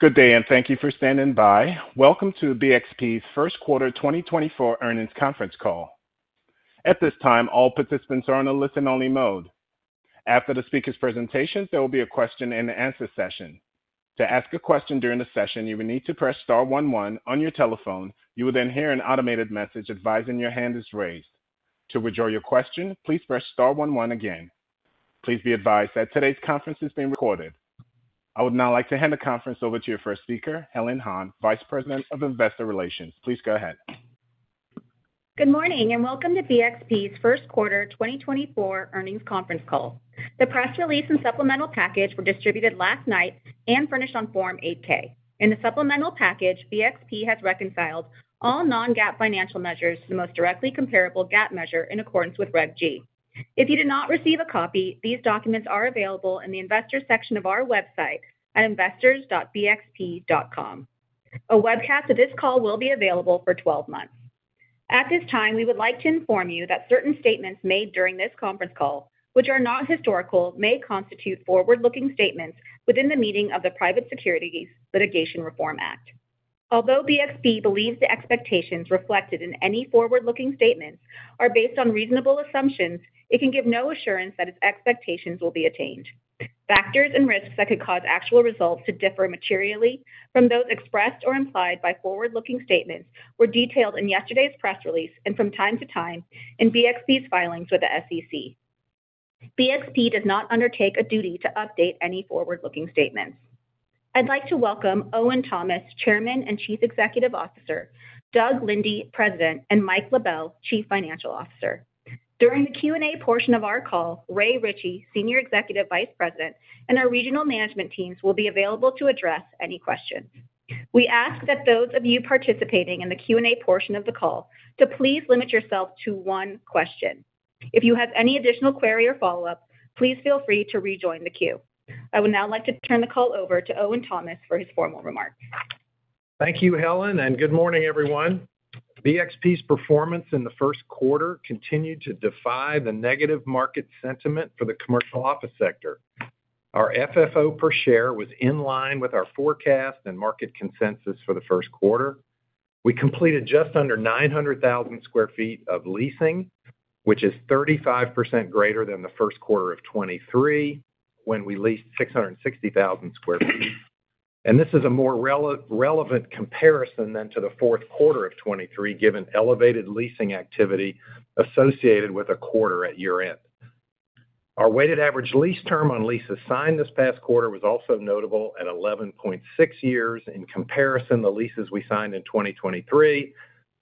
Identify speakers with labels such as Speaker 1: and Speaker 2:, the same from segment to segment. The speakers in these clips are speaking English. Speaker 1: Good day, and thank you for standing by. Welcome to BXP's Q1 2024 Earnings Conference Call. At this time, all participants are on a listen-only mode. After the speakers' presentations, there will be a question-and-answer session. To ask a question during the session, you will need to press star one one on your telephone. You will then hear an automated message advising your hand is raised. To withdraw your question, please press star one one again. Please be advised that today's conference is being recorded. I would now like to hand the conference over to your first speaker, Helen Han, Vice President of Investor Relations. Please go ahead.
Speaker 2: Good morning, and welcome to BXP's Q1 2024 Earnings Conference Call. The press release and supplemental package were distributed last night and furnished on Form 8-K. In the supplemental package, BXP has reconciled all non-GAAP financial measures to the most directly comparable GAAP measure in accordance with Reg G. If you did not receive a copy, these documents are available in the Investors section of our website at investors.bxp.com. A webcast of this call will be available for 12 months. At this time, we would like to inform you that certain statements made during this conference call, which are not historical, may constitute forward-looking statements within the meaning of the Private Securities Litigation Reform Act. Although BXP believes the expectations reflected in any forward-looking statements are based on reasonable assumptions, it can give no assurance that its expectations will be attained. Factors and risks that could cause actual results to differ materially from those expressed or implied by forward-looking statements were detailed in yesterday's press release and from time to time in BXP's filings with the SEC. BXP does not undertake a duty to update any forward-looking statements. I'd like to welcome Owen Thomas, Chairman and Chief Executive Officer, Doug Linde, President, and Mike Labelle, Chief Financial Officer. During the Q&A portion of our call, Ray Ritchey, Senior Executive Vice President, and our regional management teams will be available to address any questions. We ask that those of you participating in the Q&A portion of the call to please limit yourself to one question. If you have any additional query or follow-up, please feel free to rejoin the queue. I would now like to turn the call over to Owen Thomas for his formal remarks.
Speaker 3: Thank you, Helen, and good morning, everyone. BXP's performance in the Q1 continued to defy the negative market sentiment for the commercial office sector. Our FFO per share was in line with our forecast and market consensus for the Q1. We completed just under 900,000 sq ft of leasing, which is 35% greater than the Q1 of 2023, when we leased 660,000 sq ft. And this is a more relevant comparison than to the Q4 of 2023, given elevated leasing activity associated with a quarter at year-end. Our weighted average lease term on leases signed this past quarter was also notable at 11.6 years. In comparison, the leases we signed in 2023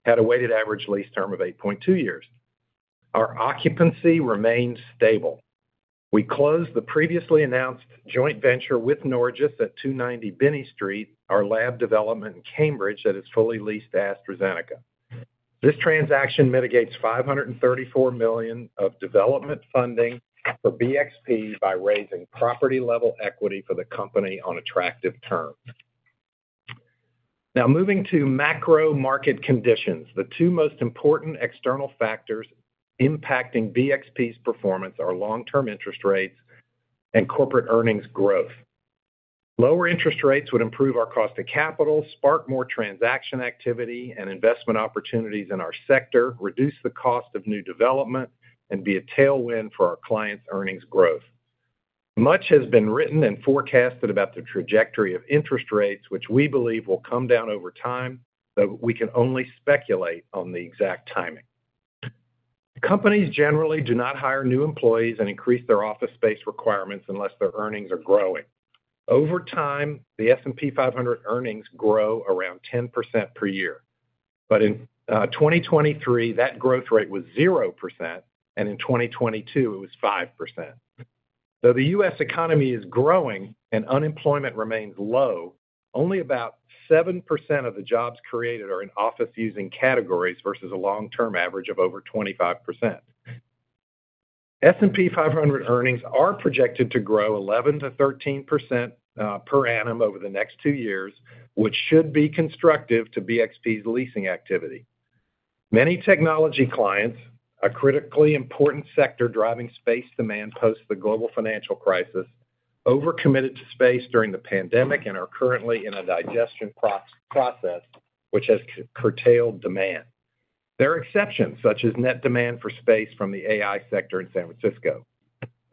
Speaker 3: had a weighted average lease term of 8.2 years. Our occupancy remains stable. We closed the previously announced joint venture with Norges at 290 Binney Street, our lab development in Cambridge, that is fully leased to AstraZeneca. This transaction mitigates $534 million of development funding for BXP by raising property-level equity for the company on attractive terms. Now moving to macro market conditions. The two most important external factors impacting BXP's performance are long-term interest rates and corporate earnings growth. Lower interest rates would improve our cost of capital, spark more transaction activity and investment opportunities in our sector, reduce the cost of new development, and be a tailwind for our clients' earnings growth. Much has been written and forecasted about the trajectory of interest rates, which we believe will come down over time, but we can only speculate on the exact timing. Companies generally do not hire new employees and increase their office space requirements unless their earnings are growing. Over time, the S&P 500 earnings grow around 10% per year, but in 2023, that growth rate was 0%, and in 2022, it was 5%. Though the U.S. economy is growing and unemployment remains low, only about 7% of the jobs created are in office-using categories versus a long-term average of over 25%. S&P 500 earnings are projected to grow 11%-13% per annum over the next two years, which should be constructive to BXP's leasing activity. Many technology clients, a critically important sector driving space demand post the global financial crisis, overcommitted to space during the pandemic and are currently in a digestion process which has curtailed demand. There are exceptions, such as net demand for space from the AI sector in San Francisco.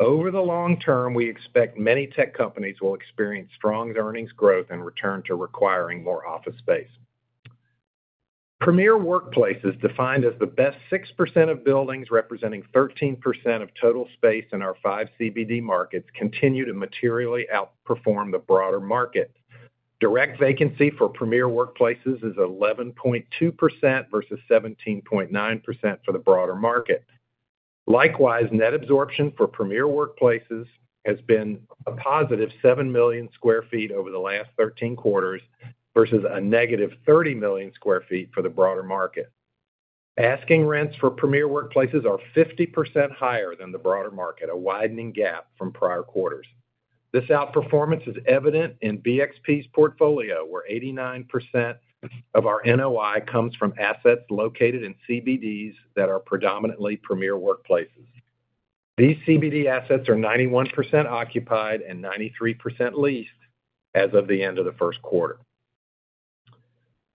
Speaker 3: Over the long term, we expect many tech companies will experience strong earnings growth and return to requiring more office space. Premier Workplaces, defined as the best 6% of buildings, representing 13% of total space in our 5 CBD markets, continue to materially outperform the broader market. Direct vacancy for Premier Workplaces is 11.2% versus 17.9% for the broader market. Likewise, net absorption for Premier Workplaces has been a positive 7 million sq ft over the last 13 quarters versus a negative 30 million sq ft for the broader market. Asking rents for Premier Workplaces are 50% higher than the broader market, a widening gap from prior quarters. This outperformance is evident in BXP's portfolio, where 89% of our NOI comes from assets located in CBDs that are predominantly Premier Workplaces. These CBD assets are 91% occupied and 93% leased as of the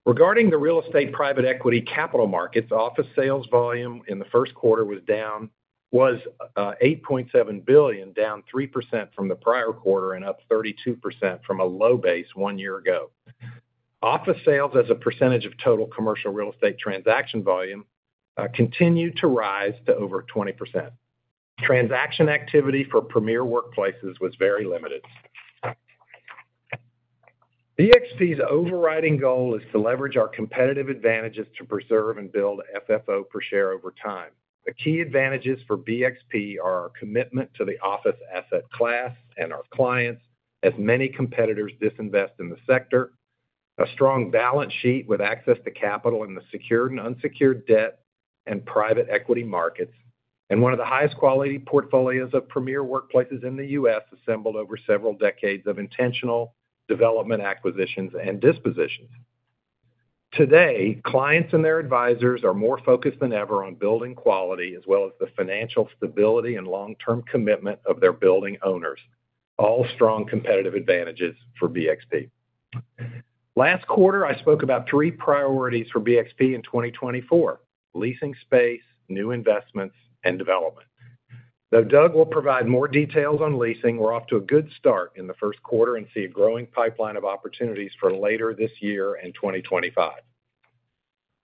Speaker 3: end of the Q1. Regarding the real estate private equity capital markets, office sales volume in the Q1 was down $8.7 billion, down 3% from the prior quarter and up 32% from a low base one year ago. Office sales as a percentage of total commercial real estate transaction volume continued to rise to over 20%. Transaction activity for Premier Workplaces was very limited. BXP's overriding goal is to leverage our competitive advantages to preserve and build FFO per share over time. The key advantages for BXP are our commitment to the office asset class and our clients, as many competitors disinvest in the sector, a strong balance sheet with access to capital in the secured and unsecured debt and private equity markets, and one of the highest quality portfolios of premier workplaces in the U.S., assembled over several decades of intentional development, acquisitions, and dispositions. Today, clients and their advisors are more focused than ever on building quality, as well as the financial stability and long-term commitment of their building owners, all strong competitive advantages for BXP. Last quarter, I spoke about three priorities for BXP in 2024: leasing space, new investments, and development. Though Doug will provide more details on leasing, we're off to a good start in the Q1 and see a growing pipeline of opportunities for later this year and 2025.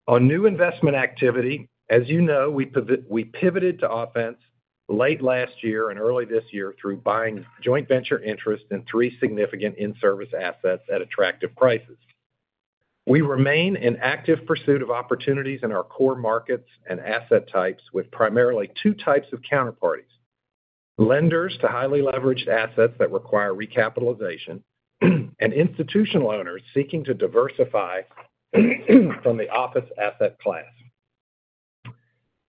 Speaker 3: On new investment activity, as you know, we pivoted to offense late last year and early this year through buying joint venture interest in three significant in-service assets at attractive prices. We remain in active pursuit of opportunities in our core markets and asset types, with primarily two types of counterparties: lenders to highly leveraged assets that require recapitalization, and institutional owners seeking to diversify from the office asset class.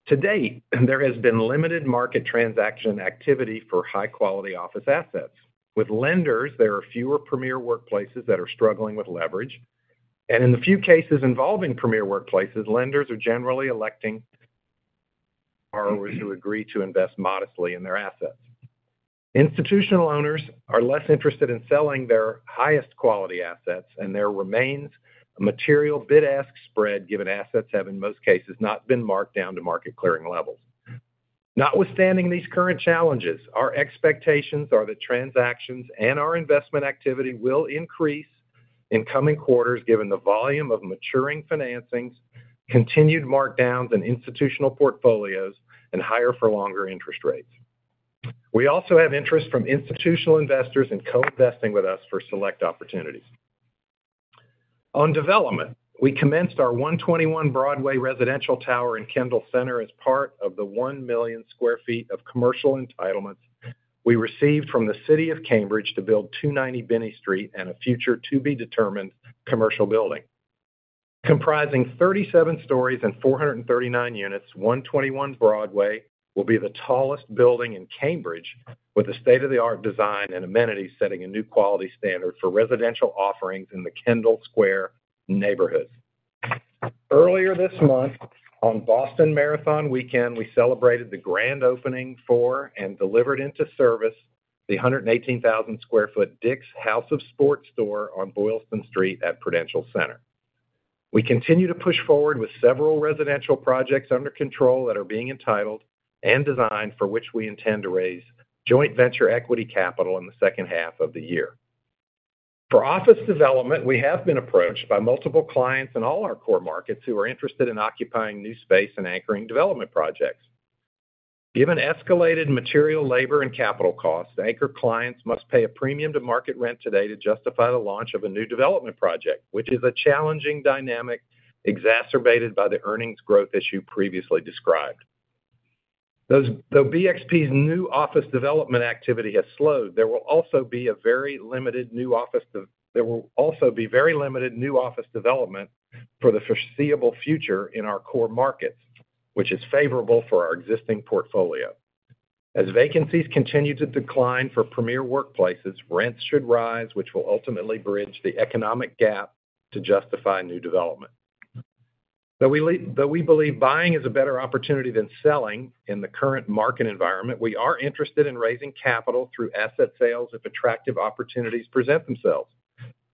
Speaker 3: To date, there has been limited market transaction activity for high-quality office assets. With lenders, there are fewer Premier Workplaces that are struggling with leverage, and in the few cases involving Premier Workplaces, lenders are generally electing borrowers who agree to invest modestly in their assets. Institutional owners are less interested in selling their highest quality assets, and there remains a material bid-ask spread, given assets have, in most cases, not been marked down to market clearing levels. Notwithstanding these current challenges, our expectations are that transactions and our investment activity will increase in coming quarters, given the volume of maturing financings, continued markdowns in institutional portfolios, and higher for longer interest rates. We also have interest from institutional investors in co-investing with us for select opportunities. On development, we commenced our 121 Broadway residential tower in Kendall Center as part of the 1 million sq ft of commercial entitlements we received from the city of Cambridge to build 290 Binney Street and a future to be determined commercial building. Comprising 37 stories and 439 units, 121 Broadway will be the tallest building in Cambridge, with a state-of-the-art design and amenities, setting a new quality standard for residential offerings in the Kendall Square neighborhood. Earlier this month, on Boston Marathon weekend, we celebrated the grand opening for and delivered into service the 118,000 sq ft DICK'S House of Sport store on Boylston Street at Prudential Center. We continue to push forward with several residential projects under control that are being entitled and designed, for which we intend to raise joint venture equity capital in the H2 of the year. For office development, we have been approached by multiple clients in all our core markets who are interested in occupying new space and anchoring development projects. Given escalated material, labor, and capital costs, anchor clients must pay a premium to market rent today to justify the launch of a new development project, which is a challenging dynamic exacerbated by the earnings growth issue previously described. Though BXP's new office development activity has slowed, there will also be very limited new office development for the foreseeable future in our core markets, which is favorable for our existing portfolio. As vacancies continue to decline for premier workplaces, rents should rise, which will ultimately bridge the economic gap to justify new development. Though we believe buying is a better opportunity than selling in the current market environment, we are interested in raising capital through asset sales if attractive opportunities present themselves.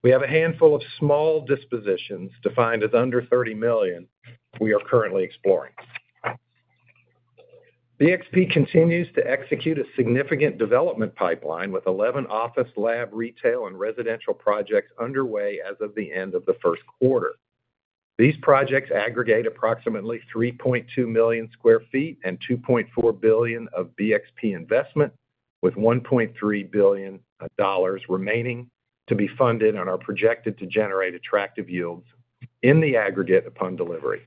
Speaker 3: We have a handful of small dispositions, defined as under $30,000,000, we are currently exploring. BXP continues to execute a significant development pipeline with 11 office, lab, retail, and residential projects underway as of the end of the Q1. These projects aggregate approximately 3.2 million sq ft and $2.4 billion of BXP investment, with $1.3 billion dollars remaining to be funded and are projected to generate attractive yields in the aggregate upon delivery.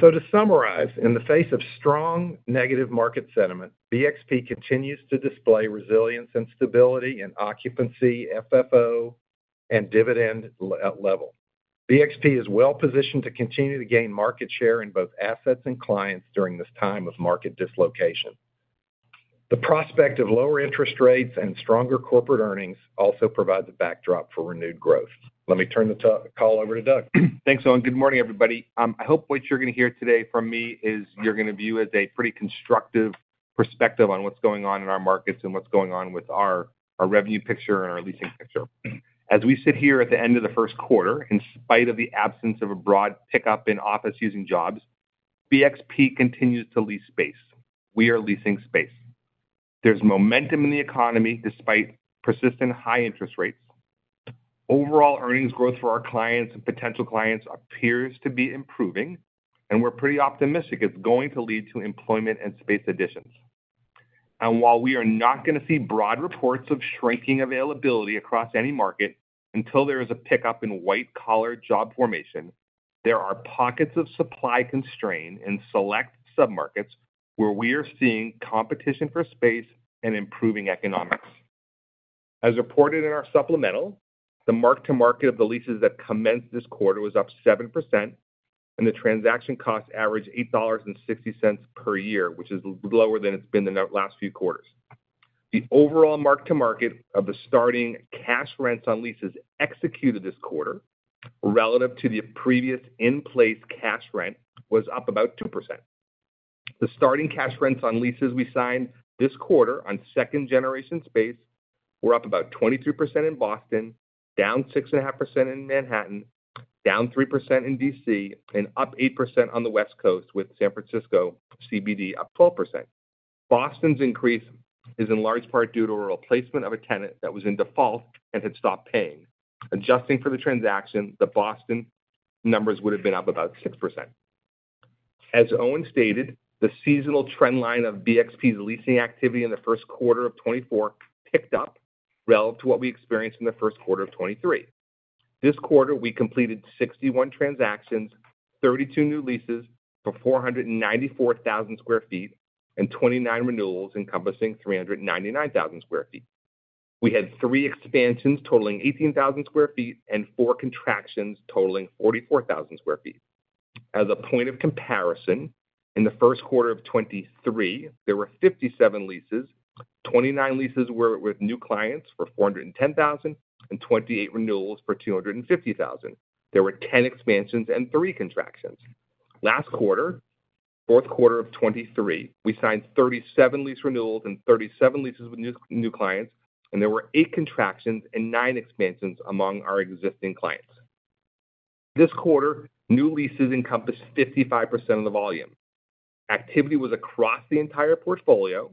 Speaker 3: So to summarize, in the face of strong negative market sentiment, BXP continues to display resilience and stability in occupancy, FFO, and dividend level. BXP is well positioned to continue to gain market share in both assets and clients during this time of market dislocation. The prospect of lower interest rates and stronger corporate earnings also provides a backdrop for renewed growth. Let me turn the call over to Doug.
Speaker 4: Thanks, Owen. Good morning, everybody. I hope what you're gonna hear today from me is you're gonna view as a pretty constructive perspective on what's going on in our markets and what's going on with our, our revenue picture and our leasing picture. As we sit here at the end of the Q1, in spite of the absence of a broad pickup in office using jobs, BXP continues to lease space. We are leasing space. There's momentum in the economy despite persistent high interest rates. Overall earnings growth for our clients and potential clients appears to be improving, and we're pretty optimistic it's going to lead to employment and space additions. While we are not gonna see broad reports of shrinking availability across any market until there is a pickup in white-collar job formation, there are pockets of supply constraint in select submarkets where we are seeing competition for space and improving economics. As reported in our supplemental, the mark-to-market of the leases that commenced this quarter was up 7%, and the transaction costs averaged $8.60 per year, which is lower than it's been in the last few quarters. The overall mark-to-market of the starting cash rents on leases executed this quarter, relative to the previous in-place cash rent, was up about 2%. The starting cash rents on leases we signed this quarter on second-generation space were up about 23% in Boston, down 6.5% in Manhattan, down 3% in D.C., and up 8% on the West Coast, with San Francisco CBD up 12%. Boston's increase is in large part due to a replacement of a tenant that was in default and had stopped paying. Adjusting for the transaction, the Boston numbers would've been up about 6%. As Owen stated, the seasonal trend line of BXP's leasing activity in the Q1 of 2024 picked up relative to what we experienced in the Q1 of 2023. This quarter, we completed 61 transactions, 32 new leases for 494,000 sq ft, and 29 renewals encompassing 399,000 sq ft. We had three expansions totaling 18,000 sq ft and four contractions totaling 44,000 sq ft. As a point of comparison, in the Q1 of 2023, there were 57 leases. 29 leases were with new clients for 410,000, and 28 renewals for 250,000. There were 10 expansions and three contractions. Last quarter, Q4 of 2023, we signed 37 lease renewals and 37 leases with new, new clients, and there were eight contractions and nine expansions among our existing clients. This quarter, new leases encompassed 55% of the volume. Activity was across the entire portfolio,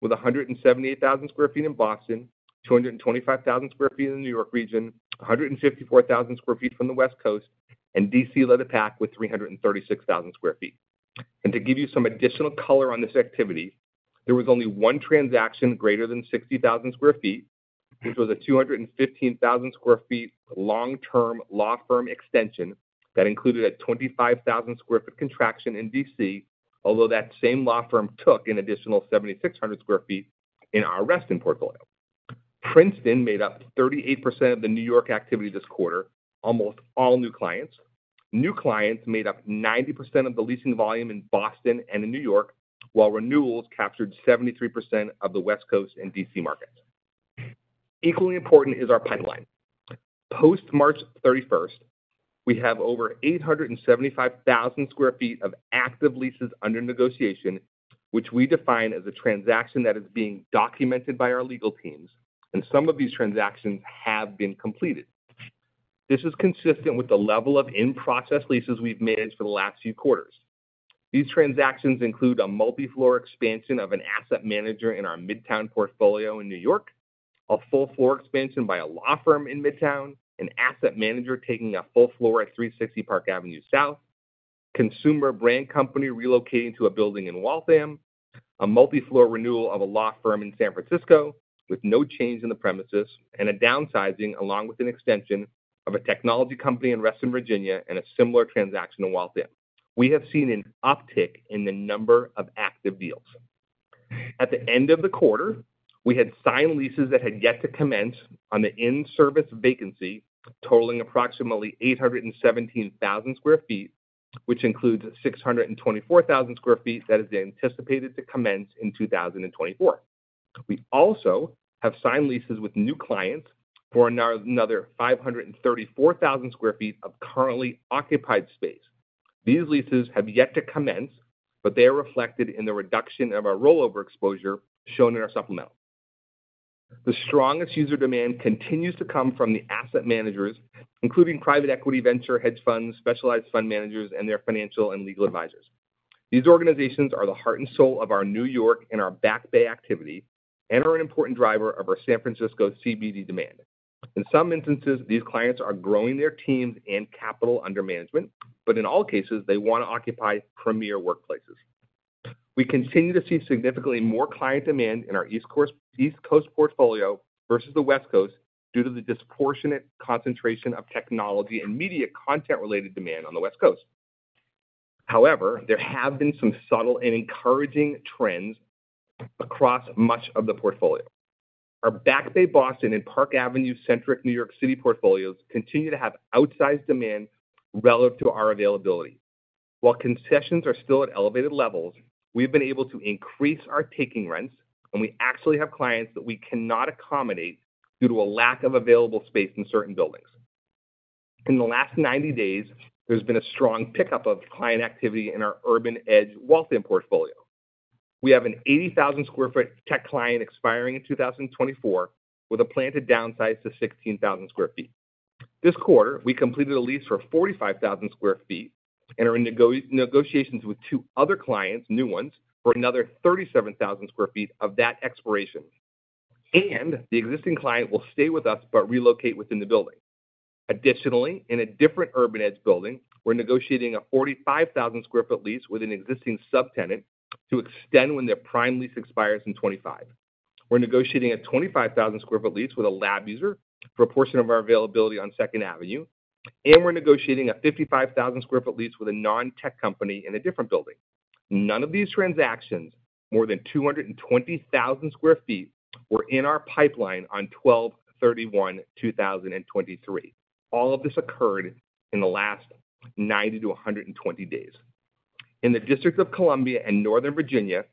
Speaker 4: with 178,000 sq ft in Boston, 225,000 sq ft in the New York region, 154,000 sq ft from the West Coast, and DC led the pack with 336,000 sq ft. To give you some additional color on this activity, there was only one transaction greater than 60,000 sq ft, which was a 215,000 sq ft long-term law firm extension that included a 25,000 sq ft contraction in DC, although that same law firm took an additional 7,600 sq ft in our Reston portfolio. Princeton made up 38% of the New York activity this quarter, almost all new clients. New clients made up 90% of the leasing volume in Boston and in New York, while renewals captured 73% of the West Coast and DC markets. Equally important is our pipeline. Post March thirty-first, we have over 875,000 sq ft of active leases under negotiation, which we define as a transaction that is being documented by our legal teams, and some of these transactions have been completed. This is consistent with the level of in-process leases we've managed for the last few quarters. These transactions include a multi-floor expansion of an asset manager in our Midtown portfolio in New York, a full floor expansion by a law firm in Midtown, an asset manager taking a full floor at 360 Park Avenue South, consumer brand company relocating to a building in Waltham, a multi-floor renewal of a law firm in San Francisco with no change in the premises, and a downsizing, along with an extension of a technology company in Reston, Virginia, and a similar transaction in Waltham. We have seen an uptick in the number of active deals. At the end of the quarter, we had signed leases that had yet to commence on the in-service vacancy, totaling approximately 817,000 sq ft, which includes 624,000 sq ft that is anticipated to commence in 2024. We also have signed leases with new clients for another 534,000 sq ft of currently occupied space. These leases have yet to commence, but they are reflected in the reduction of our rollover exposure shown in our supplemental. The strongest user demand continues to come from the asset managers, including private equity, venture hedge funds, specialized fund managers, and their financial and legal advisors. These organizations are the heart and soul of our New York and our Back Bay activity and are an important driver of our San Francisco CBD demand. In some instances, these clients are growing their teams and capital under management, but in all cases, they want to occupy premier workplaces. We continue to see significantly more client demand in our East Coast, East Coast portfolio versus the West Coast due to the disproportionate concentration of technology and media content related demand on the West Coast. However, there have been some subtle and encouraging trends across much of the portfolio. Our Back Bay, Boston, and Park Avenue centric New York City portfolios continue to have outsized demand relative to our availability. While concessions are still at elevated levels, we've been able to increase our taking rents, and we actually have clients that we cannot accommodate due to a lack of available space in certain buildings. In the last 90 days, there's been a strong pickup of client activity in our Urban Edge Waltham portfolio. We have an 80,000 sq ft tech client expiring in 2024, with a plan to downsize to 16,000 sq ft. This quarter, we completed a lease for 45,000 sq ft and are in negotiations with two other clients, new ones, for another 37,000 sq ft of that expiration. The existing client will stay with us, but relocate within the building. Additionally, in a different Urban Edge building, we're negotiating a 45,000 sq ft lease with an existing subtenant to extend when their prime lease expires in 2025. We're negotiating a 25,000 sq ft lease with a lab user for a portion of our availability on Second Avenue, and we're negotiating a 55,000 sq ft lease with a non-tech company in a different building. None of these transactions, more than 220,000 sq ft, were in our pipeline on 12/31/2023. All of this occurred in the last 90 to 120 days. In the District of Columbia and Northern Virginia,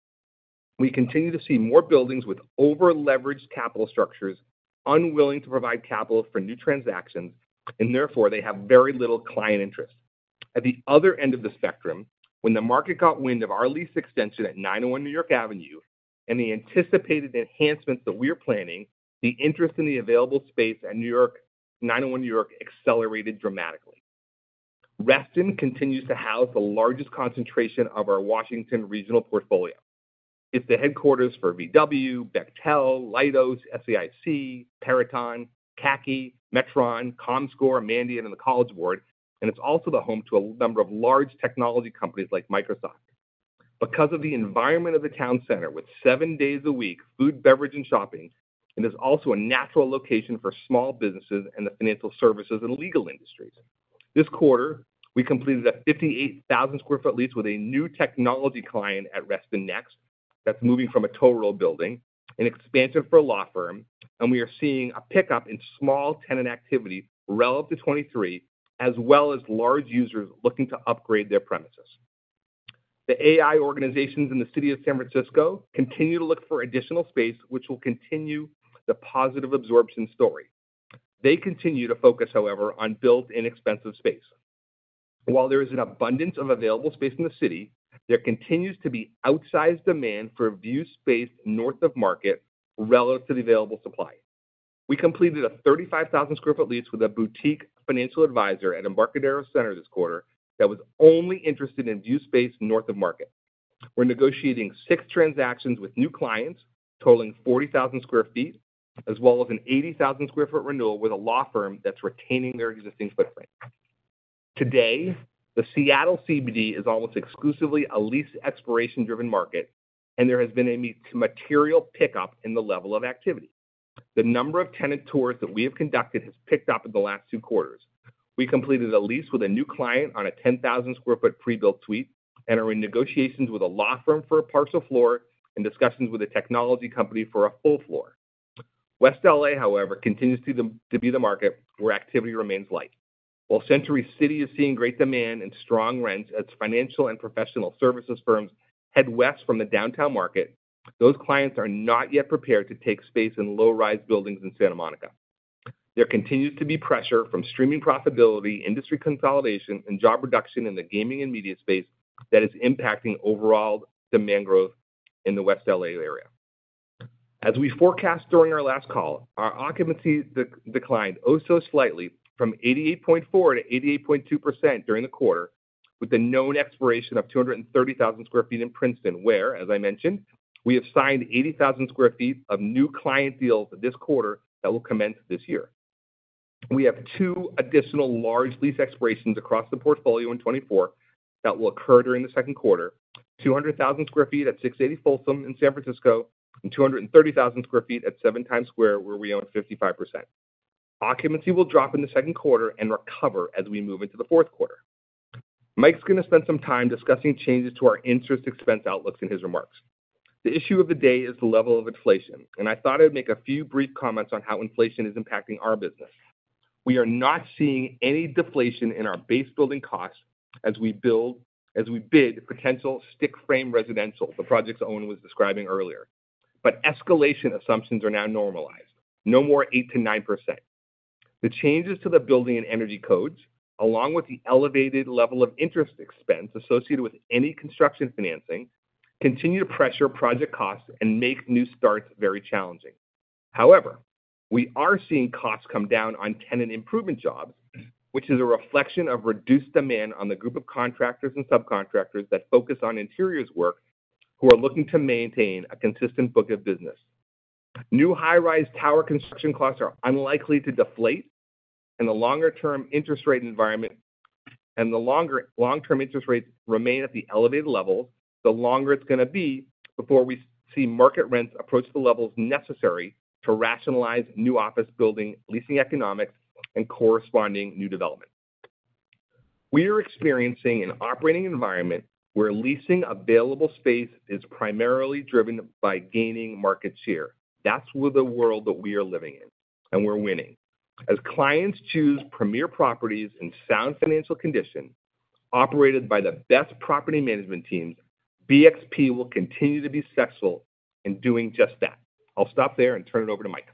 Speaker 4: we continue to see more buildings with over-leveraged capital structures, unwilling to provide capital for new transactions, and therefore they have very little client interest. At the other end of the spectrum, when the market got wind of our lease extension at 901 New York Avenue and the anticipated enhancements that we're planning, the interest in the available space at New York - 901 New York, accelerated dramatically. Reston continues to house the largest concentration of our Washington regional portfolio. It's the headquarters for VW, Bechtel, Leidos, SAIC, Peraton, CACI, Metron, Comscore, Mandiant, and the College Board, and it's also the home to a number of large technology companies like Microsoft. Because of the environment of the town center, with seven days a week, food, beverage, and shopping, it is also a natural location for small businesses and the financial services and legal industries. This quarter, we completed a 58,000 sq ft lease with a new technology client at Reston Next, that's moving from a Dulles Toll Road building, an expansion for a law firm, and we are seeing a pickup in small tenant activity relative to 2023, as well as large users looking to upgrade their premises. The AI organizations in the city of San Francisco continue to look for additional space, which will continue the positive absorption story. They continue to focus, however, on built, inexpensive space. While there is an abundance of available space in the city, there continues to be outsized demand for view space north of Market relative to the available supply. We completed a 35,000 sq ft lease with a boutique financial advisor at Embarcadero Center this quarter, that was only interested in view space north of Market. We're negotiating six transactions with new clients, totaling 40,000 sq ft, as well as an 80,000 sq ft renewal with a law firm that's retaining their existing footprint. Today, the Seattle CBD is almost exclusively a lease expiration-driven market, and there has been a material pickup in the level of activity. The number of tenant tours that we have conducted has picked up in the last two quarters. We completed a lease with a new client on a 10,000 sq ft pre-built suite, and are in negotiations with a law firm for a partial floor and discussions with a technology company for a full floor. West LA, however, continues to be the market where activity remains light. While Century City is seeing great demand and strong rents as financial and professional services firms head west from the downtown market, those clients are not yet prepared to take space in low-rise buildings in Santa Monica. There continues to be pressure from streaming profitability, industry consolidation, and job reduction in the gaming and media space that is impacting overall demand growth in the West LA area. As we forecast during our last call, our occupancy declined, oh, so slightly from 88.4% to 88.2% during the quarter, with the known expiration of 230,000 sq ft in Princeton, where, as I mentioned, we have signed 80,000 sq ft of new client deals this quarter that will commence this year. We have two additional large lease expirations across the portfolio in 2024 that will occur during the Q2, 200,000 sq ft at 680 Folsom in San Francisco, and 230,000 sq ft at seven Times Square, where we own 55%. Occupancy will drop in the Q2 and recover as we move into the Q4. Mike's going to spend some time discussing changes to our interest expense outlooks in his remarks. The issue of the day is the level of inflation, and I thought I'd make a few brief comments on how inflation is impacting our business. We are not seeing any deflation in our base building costs as we bid potential stick frame residential, the project's owner was describing earlier. But escalation assumptions are now normalized. No more 8% to 9%. The changes to the building and energy codes, along with the elevated level of interest expense associated with any construction financing, continue to pressure project costs and make new starts very challenging. However, we are seeing costs come down on tenant improvement jobs, which is a reflection of reduced demand on the group of contractors and subcontractors that focus on interiors work, who are looking to maintain a consistent book of business. New high-rise tower construction costs are unlikely to deflate, and the longer the long-term interest rates remain at the elevated levels, the longer it's going to be before we see market rents approach the levels necessary to rationalize new office building leasing economics and corresponding new development... We are experiencing an operating environment where leasing available space is primarily driven by gaining market share. That's where the world that we are living in, and we're winning. As clients choose premier properties in sound financial condition, operated by the best property management teams, BXP will continue to be successful in doing just that. I'll stop there and turn it over to Mike.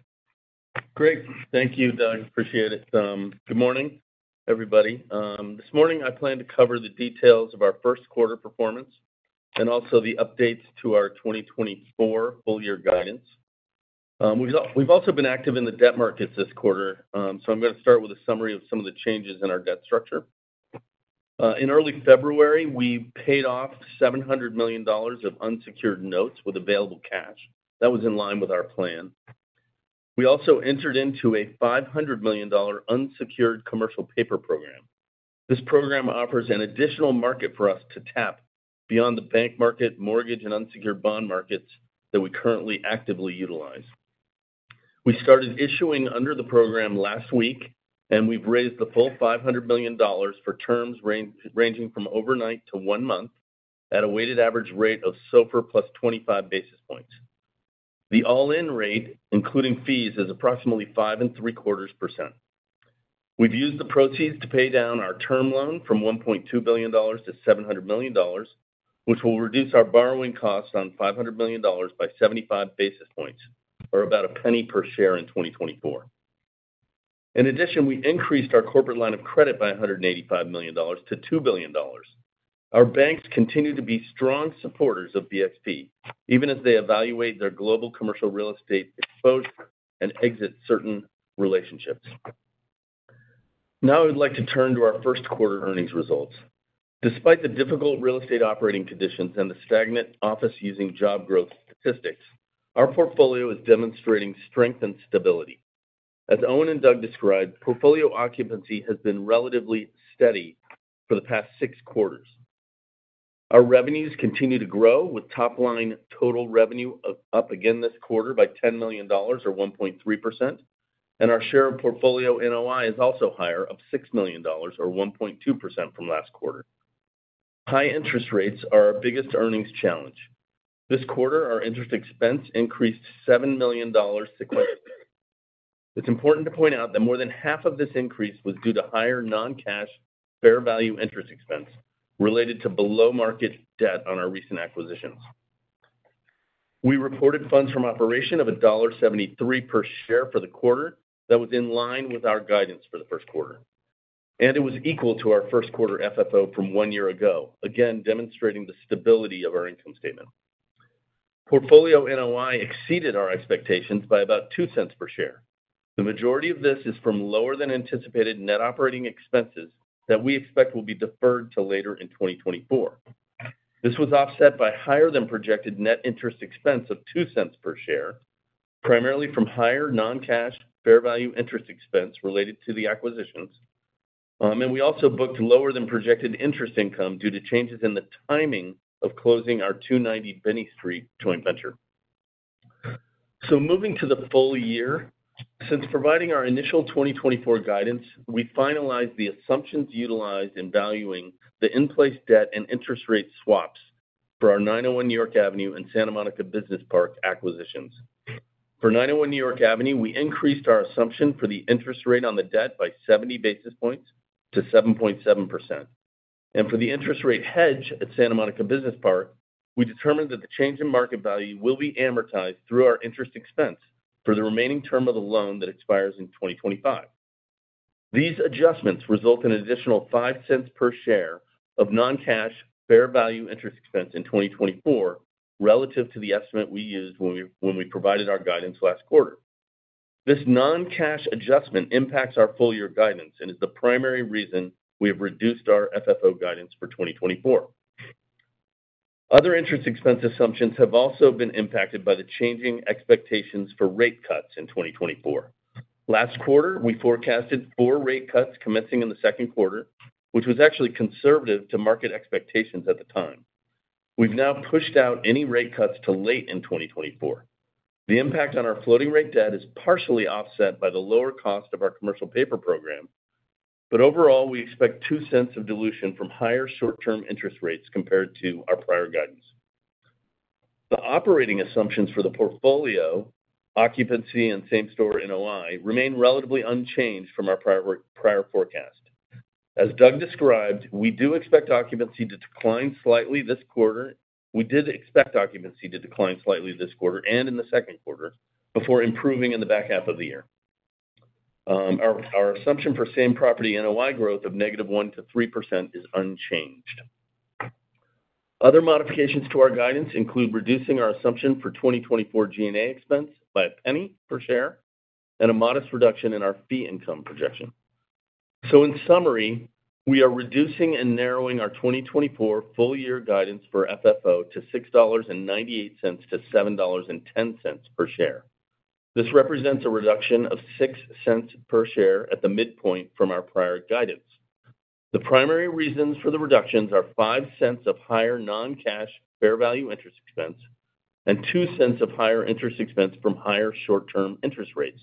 Speaker 5: Great. Thank you, Doug. Appreciate it. Good morning, everybody. This morning, I plan to cover the details of our Q1 performance and also the updates to our 2024 full year guidance. We've also been active in the debt markets this quarter, so I'm gonna start with a summary of some of the changes in our debt structure. In early February, we paid off $700,000,000 of unsecured notes with available cash. That was in line with our plan. We also entered into a $500,000,000 unsecured commercial paper program. This program offers an additional market for us to tap beyond the bank market, mortgage, and unsecured bond markets that we currently actively utilize. We started issuing under the program last week, and we've raised the full $500,000,000 for terms ranging from overnight to one month at a weighted average rate of SOFR +25 basis points. The all-in rate, including fees, is approximately 5.75%. We've used the proceeds to pay down our term loan from $1.2 billion to $700,000,000, which will reduce our borrowing costs on $500,000,000 by 75 basis points, or about $0.01 per share in 2024. In addition, we increased our corporate line of credit by $185,000,000 to $2 billion. Our banks continue to be strong supporters of BXP, even as they evaluate their global commercial real estate exposure and exit certain relationships. Now, I'd like to turn to our Q1 earnings results. Despite the difficult real estate operating conditions and the stagnant office using job growth statistics, our portfolio is demonstrating strength and stability. As Owen and Doug described, portfolio occupancy has been relatively steady for the past six quarters. Our revenues continue to grow, with top-line total revenue up again this quarter by $10,000,000 or 1.3%, and our share of portfolio NOI is also higher of $6,000,000 or 1.2% from last quarter. High interest rates are our biggest earnings challenge. This quarter, our interest expense increased $7,000,000 sequentially. It's important to point out that more than half of this increase was due to higher non-cash, fair value interest expense related to below-market debt on our recent acquisitions. We reported funds from operation of $1.73 per share for the quarter. That was in line with our guidance for the Q1, and it was equal to our Q1 FFO from one year ago, again, demonstrating the stability of our income statement. Portfolio NOI exceeded our expectations by about $0.02 per share. The majority of this is from lower than anticipated net operating expenses that we expect will be deferred till later in 2024. This was offset by higher than projected net interest expense of $0.02 per share, primarily from higher non-cash, fair value interest expense related to the acquisitions. And we also booked lower than projected interest income due to changes in the timing of closing our 290 Binney Street joint venture. So moving to the full year, since providing our initial 2024 guidance, we finalized the assumptions utilized in valuing the in-place debt and interest rate swaps for our 901 New York Avenue and Santa Monica Business Park acquisitions. For 901 New York Avenue, we increased our assumption for the interest rate on the debt by 70 basis points to 7.7%. And for the interest rate hedge at Santa Monica Business Park, we determined that the change in market value will be amortized through our interest expense for the remaining term of the loan that expires in 2025. These adjustments result in additional $0.05 per share of non-cash, fair value interest expense in 2024 relative to the estimate we used when we provided our guidance last quarter. This non-cash adjustment impacts our full-year guidance and is the primary reason we have reduced our FFO guidance for 2024. Other interest expense assumptions have also been impacted by the changing expectations for rate cuts in 2024. Last quarter, we forecasted 4 rate cuts commencing in the Q2, which was actually conservative to market expectations at the time. We've now pushed out any rate cuts to late in 2024. The impact on our floating rate debt is partially offset by the lower cost of our commercial paper program, but overall, we expect $0.02 of dilution from higher short-term interest rates compared to our prior guidance. The operating assumptions for the portfolio, occupancy, and same-store NOI remain relatively unchanged from our prior, prior forecast. As Doug described, we do expect occupancy to decline slightly this quarter. We did expect occupancy to decline slightly this quarter and in the Q2, before improving in the back half of the year. Our assumption for same property NOI growth of -1% to 3% is unchanged. Other modifications to our guidance include reducing our assumption for 2024 G&A expense by $0.01 per share and a modest reduction in our fee income projection. So in summary, we are reducing and narrowing our 2024 full year guidance for FFO to $6.98 to $7.10 per share. This represents a reduction of $0.06 per share at the midpoint from our prior guidance. The primary reasons for the reductions are $0.05 of higher non-cash, fair value interest expense- And $0.02 of higher interest expense from higher short-term interest rates,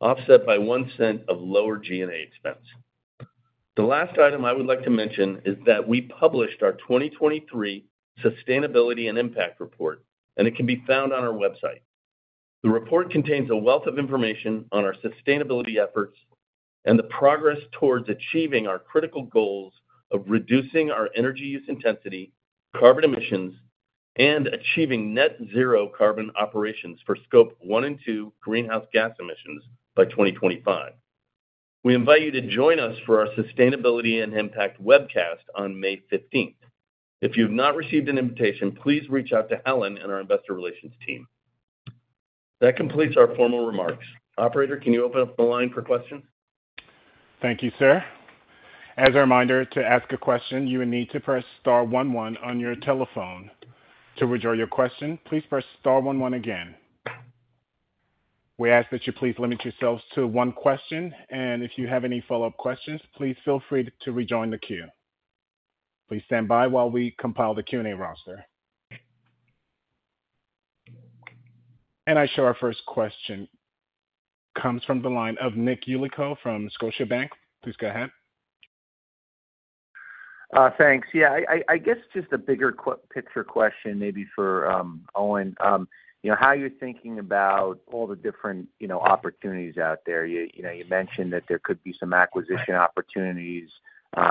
Speaker 5: offset by $0.01 of lower G&A expense. The last item I would like to mention is that we published our 2023 Sustainability and Impact Report, and it can be found on our website. The report contains a wealth of information on our sustainability efforts and the progress towards achieving our critical goals of reducing our energy use intensity, carbon emissions, and achieving net zero carbon operations for Scope 1 and 2 greenhouse gas emissions by 2025. We invite you to join us for our Sustainability and Impact Webcast on 15th May. If you've not received an invitation, please reach out to Helen and our investor relations team. That completes our formal remarks. Operator, can you open up the line for questions?
Speaker 1: Thank you, sir. As a reminder, to ask a question, you will need to press star one one on your telephone. To withdraw your question, please press star one one again. We ask that you please limit yourselves to one question, and if you have any follow-up questions, please feel free to rejoin the queue. Please stand by while we compile the Q&A roster. I show our first question comes from the line of Nick Yulico from Scotiabank. Please go ahead.
Speaker 6: Thanks. Yeah, I guess just a bigger picture question maybe for Owen. You know, how you're thinking about all the different, you know, opportunities out there. You know, you mentioned that there could be some acquisition opportunities.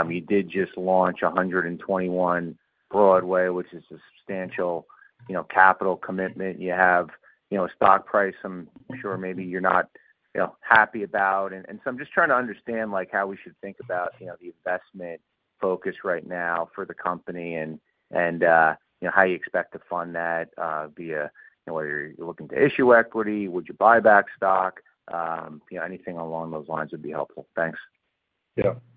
Speaker 6: You did just launch 121 Broadway, which is a substantial, you know, capital commitment. You have, you know, a stock price I'm sure maybe you're not, you know, happy about. So I'm just trying to understand, like, how we should think about, you know, the investment focus right now for the company and you know, how you expect to fund that via, you know, whether you're looking to issue equity, would you buy back stock? You know, anything along those lines would be helpful. Thanks.
Speaker 4: Yeah. Yeah,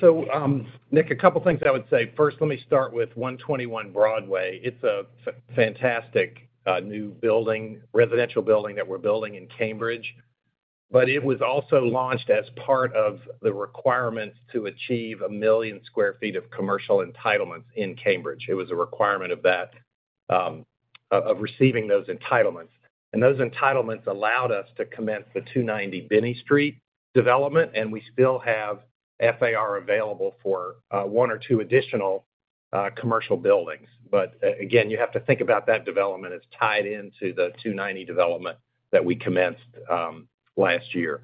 Speaker 4: so, Nick, a couple of things I would say. First, let me start with 121 Broadway. It's a fantastic, new building, residential building that we're building in Cambridge, but it was also launched as part of the requirements to achieve 1 million sq ft of commercial entitlements in Cambridge. It was a requirement of that, of receiving those entitlements. And those entitlements allowed us to commence the 290 Binney Street development, and we still have FAR available for, 1 or 2 additional, commercial buildings. But, again, you have to think about that development as tied into the 290 development that we commenced, last year.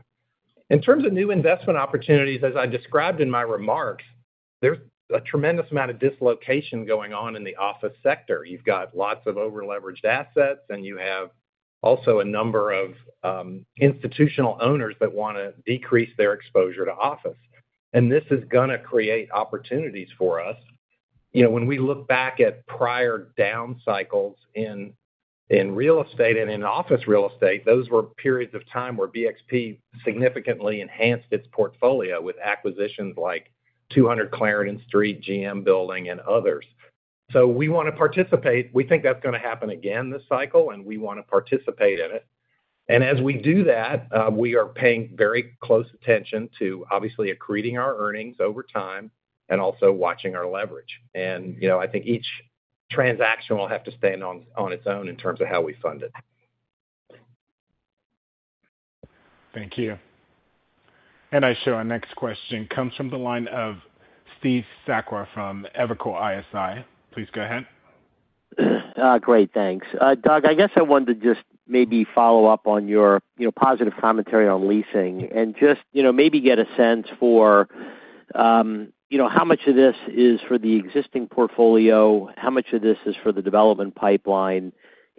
Speaker 4: In terms of new investment opportunities, as I described in my remarks, there's a tremendous amount of dislocation going on in the office sector. You've got lots of overleveraged assets, and you have also a number of institutional owners that wanna decrease their exposure to office. And this is gonna create opportunities for us. You know, when we look back at prior down cycles in real estate and in office real estate, those were periods of time where BXP significantly enhanced its portfolio with acquisitions like 200 Clarendon Street, GM Building, and others. So we wanna participate. We think that's gonna happen again this cycle, and we wanna participate in it. And as we do that, we are paying very close attention to obviously accreting our earnings over time and also watching our leverage. And, you know, I think each transaction will have to stand on its own in terms of how we fund it.
Speaker 1: Thank you. I show our next question comes from the line of Steve Sakwa from Evercore ISI. Please go ahead.
Speaker 7: Great, thanks. Doug, I guess I wanted to just maybe follow up on your, you know, positive commentary on leasing and just, you know, maybe get a sense for, you know, how much of this is for the existing portfolio, how much of this is for the development pipeline.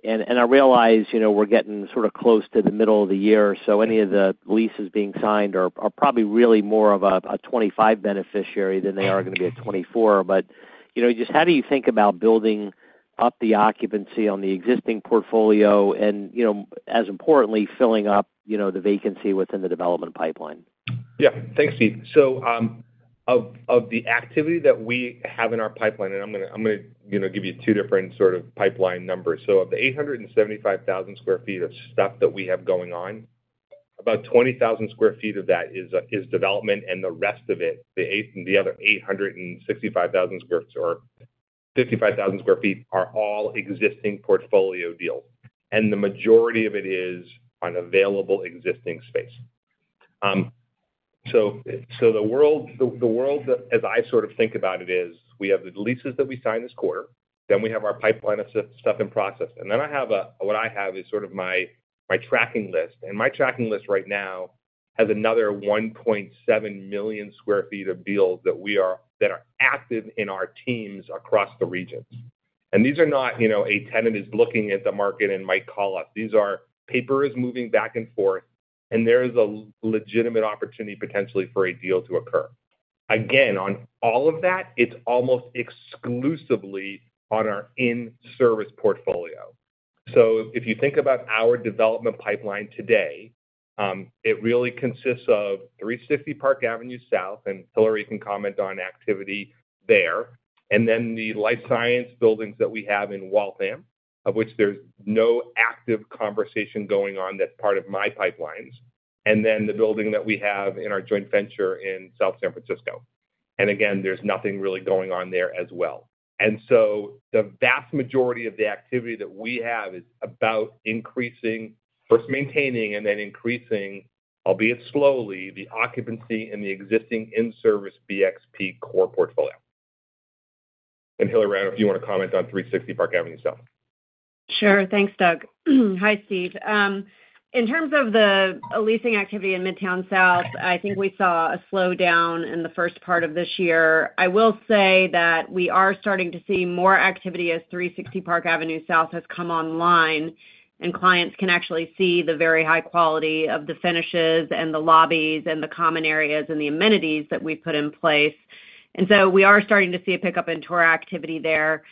Speaker 7: And I realize, you know, we're getting sort of close to the middle of the year, so any of the leases being signed are, are probably really more of a 2025 beneficiary than they are gonna be a 2024. But, you know, just how do you think about building up the occupancy on the existing portfolio and, you know, as importantly, filling up, you know, the vacancy within the development pipeline?
Speaker 4: Yeah. Thanks, Steve. So, of the activity that we have in our pipeline, and I'm gonna, you know, give you two different sort of pipeline numbers. So of the 875,000 sq ft of stuff that we have going on, about 20,000 sq ft of that is development, and the rest of it, the other 865,000 sq ft or 55,000 sq ft, are all existing portfolio deals, and the majority of it is on available existing space. So the world as I sort of think about it is we have the leases that we signed this quarter, then we have our pipeline of stuff in process, and then I have a... What I have is sort of my tracking list. And my tracking list right now has another 1.7 million sq ft of deals that we are- that are active in our teams across the regions. And these are not, you know, a tenant is looking at the market and might call us. These are, paper is moving back and forth, and there is a legitimate opportunity potentially for a deal to occur. Again, on all of that, it's almost exclusively on our in-service portfolio. So if you think about our development pipeline today, it really consists of 360 Park Avenue South, and Hilary can comment on activity there. And then the life science buildings that we have in Waltham, of which there's no active conversation going on that's part of my pipelines.... And then the building that we have in our joint venture in South San Francisco. Again, there's nothing really going on there as well. So the vast majority of the activity that we have is about increasing, first maintaining and then increasing, albeit slowly, the occupancy in the existing in-service BXP core portfolio. Hilary Spann, if you want to comment on 360 Park Avenue South.
Speaker 8: Sure. Thanks, Doug. Hi, Steve. In terms of the leasing activity in Midtown South, I think we saw a slowdown in the first part of this year. I will say that we are starting to see more activity as 360 Park Avenue South has come online, and clients can actually see the very high quality of the finishes and the lobbies and the common areas and the amenities that we put in place. And so we are starting to see a pickup in tour activity there.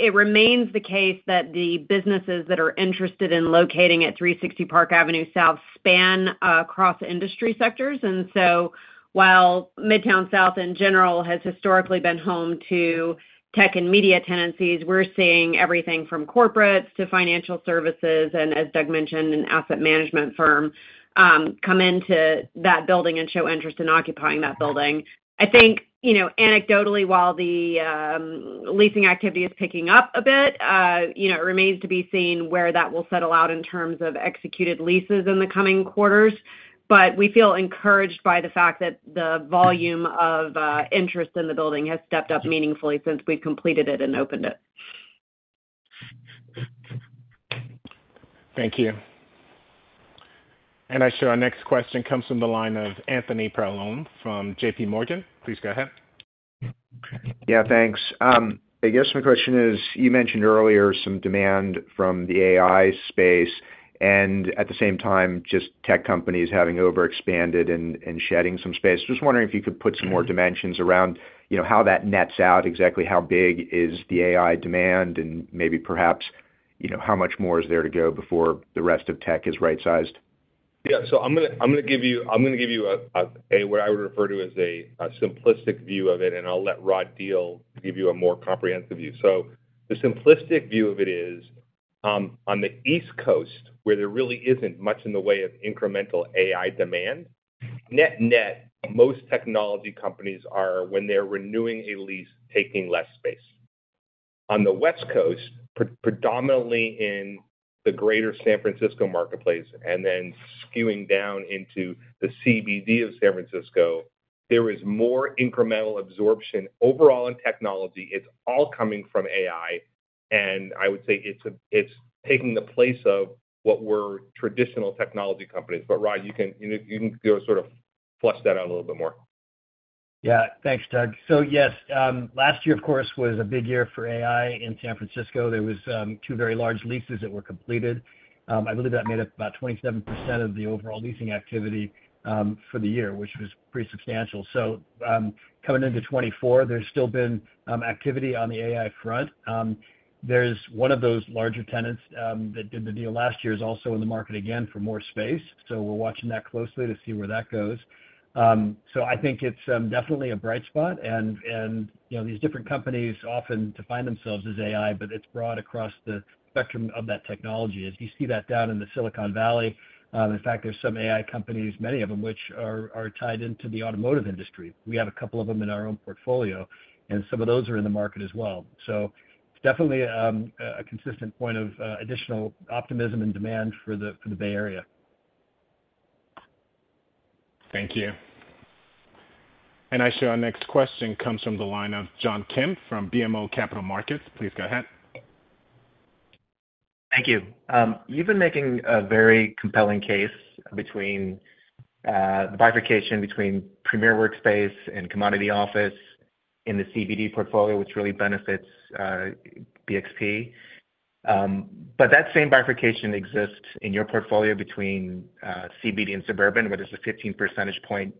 Speaker 8: It remains the case that the businesses that are interested in locating at 360 Park Avenue South span across industry sectors, and so while Midtown South in general has historically been home to tech and media tenancies, we're seeing everything from corporates to financial services, and as Doug mentioned, an asset management firm come into that building and show interest in occupying that building. I think, you know, anecdotally, while the leasing activity is picking up a bit, you know, it remains to be seen where that will settle out in terms of executed leases in the coming quarters. But we feel encouraged by the fact that the volume of interest in the building has stepped up meaningfully since we completed it and opened it.
Speaker 1: Thank you. And I show our next question comes from the line of Anthony Paolone from J.P. Morgan. Please go ahead.
Speaker 9: Yeah, thanks. I guess my question is, you mentioned earlier some demand from the AI space and at the same time, just tech companies having overexpanded and shedding some space. Just wondering if you could put some more dimensions around, you know, how that nets out, exactly how big is the AI demand, and maybe perhaps, you know, how much more is there to go before the rest of tech is right-sized?
Speaker 4: Yeah. So I'm gonna give you a simplistic view of it, and I'll let Rod Diehl give you a more comprehensive view. So the simplistic view of it is, on the East Coast, where there really isn't much in the way of incremental AI demand, net-net, most technology companies are, when they're renewing a lease, taking less space. On the West Coast, predominantly in the greater San Francisco marketplace, and then skewing down into the CBD of San Francisco, there is more incremental absorption overall in technology. It's all coming from AI, and I would say it's taking the place of what were traditional technology companies. But Rod, you can, you know, you can go sort of flush that out a little bit more.
Speaker 10: Yeah. Thanks, Doug. So yes, last year, of course, was a big year for AI in San Francisco. There was two very large leases that were completed. I believe that made up about 27% of the overall leasing activity for the year, which was pretty substantial. So, coming into 2024, there's still been activity on the AI front. There's one of those larger tenants that did the deal last year is also in the market again for more space, so we're watching that closely to see where that goes. So I think it's definitely a bright spot and, and, you know, these different companies often define themselves as AI, but it's broad across the spectrum of that technology. As you see that down in the Silicon Valley, in fact, there's some AI companies, many of them, which are tied into the automotive industry. We have a couple of them in our own portfolio, and some of those are in the market as well. So it's definitely a consistent point of additional optimism and demand for the Bay Area.
Speaker 1: Thank you. And I show our next question comes from the line of John Kim from BMO Capital Markets. Please go ahead.
Speaker 11: Thank you. You've been making a very compelling case between the bifurcation between premier workspace and commodity office in the CBD portfolio, which really benefits BXP. But that same bifurcation exists in your portfolio between CBD and suburban, where there's a 15 percentage point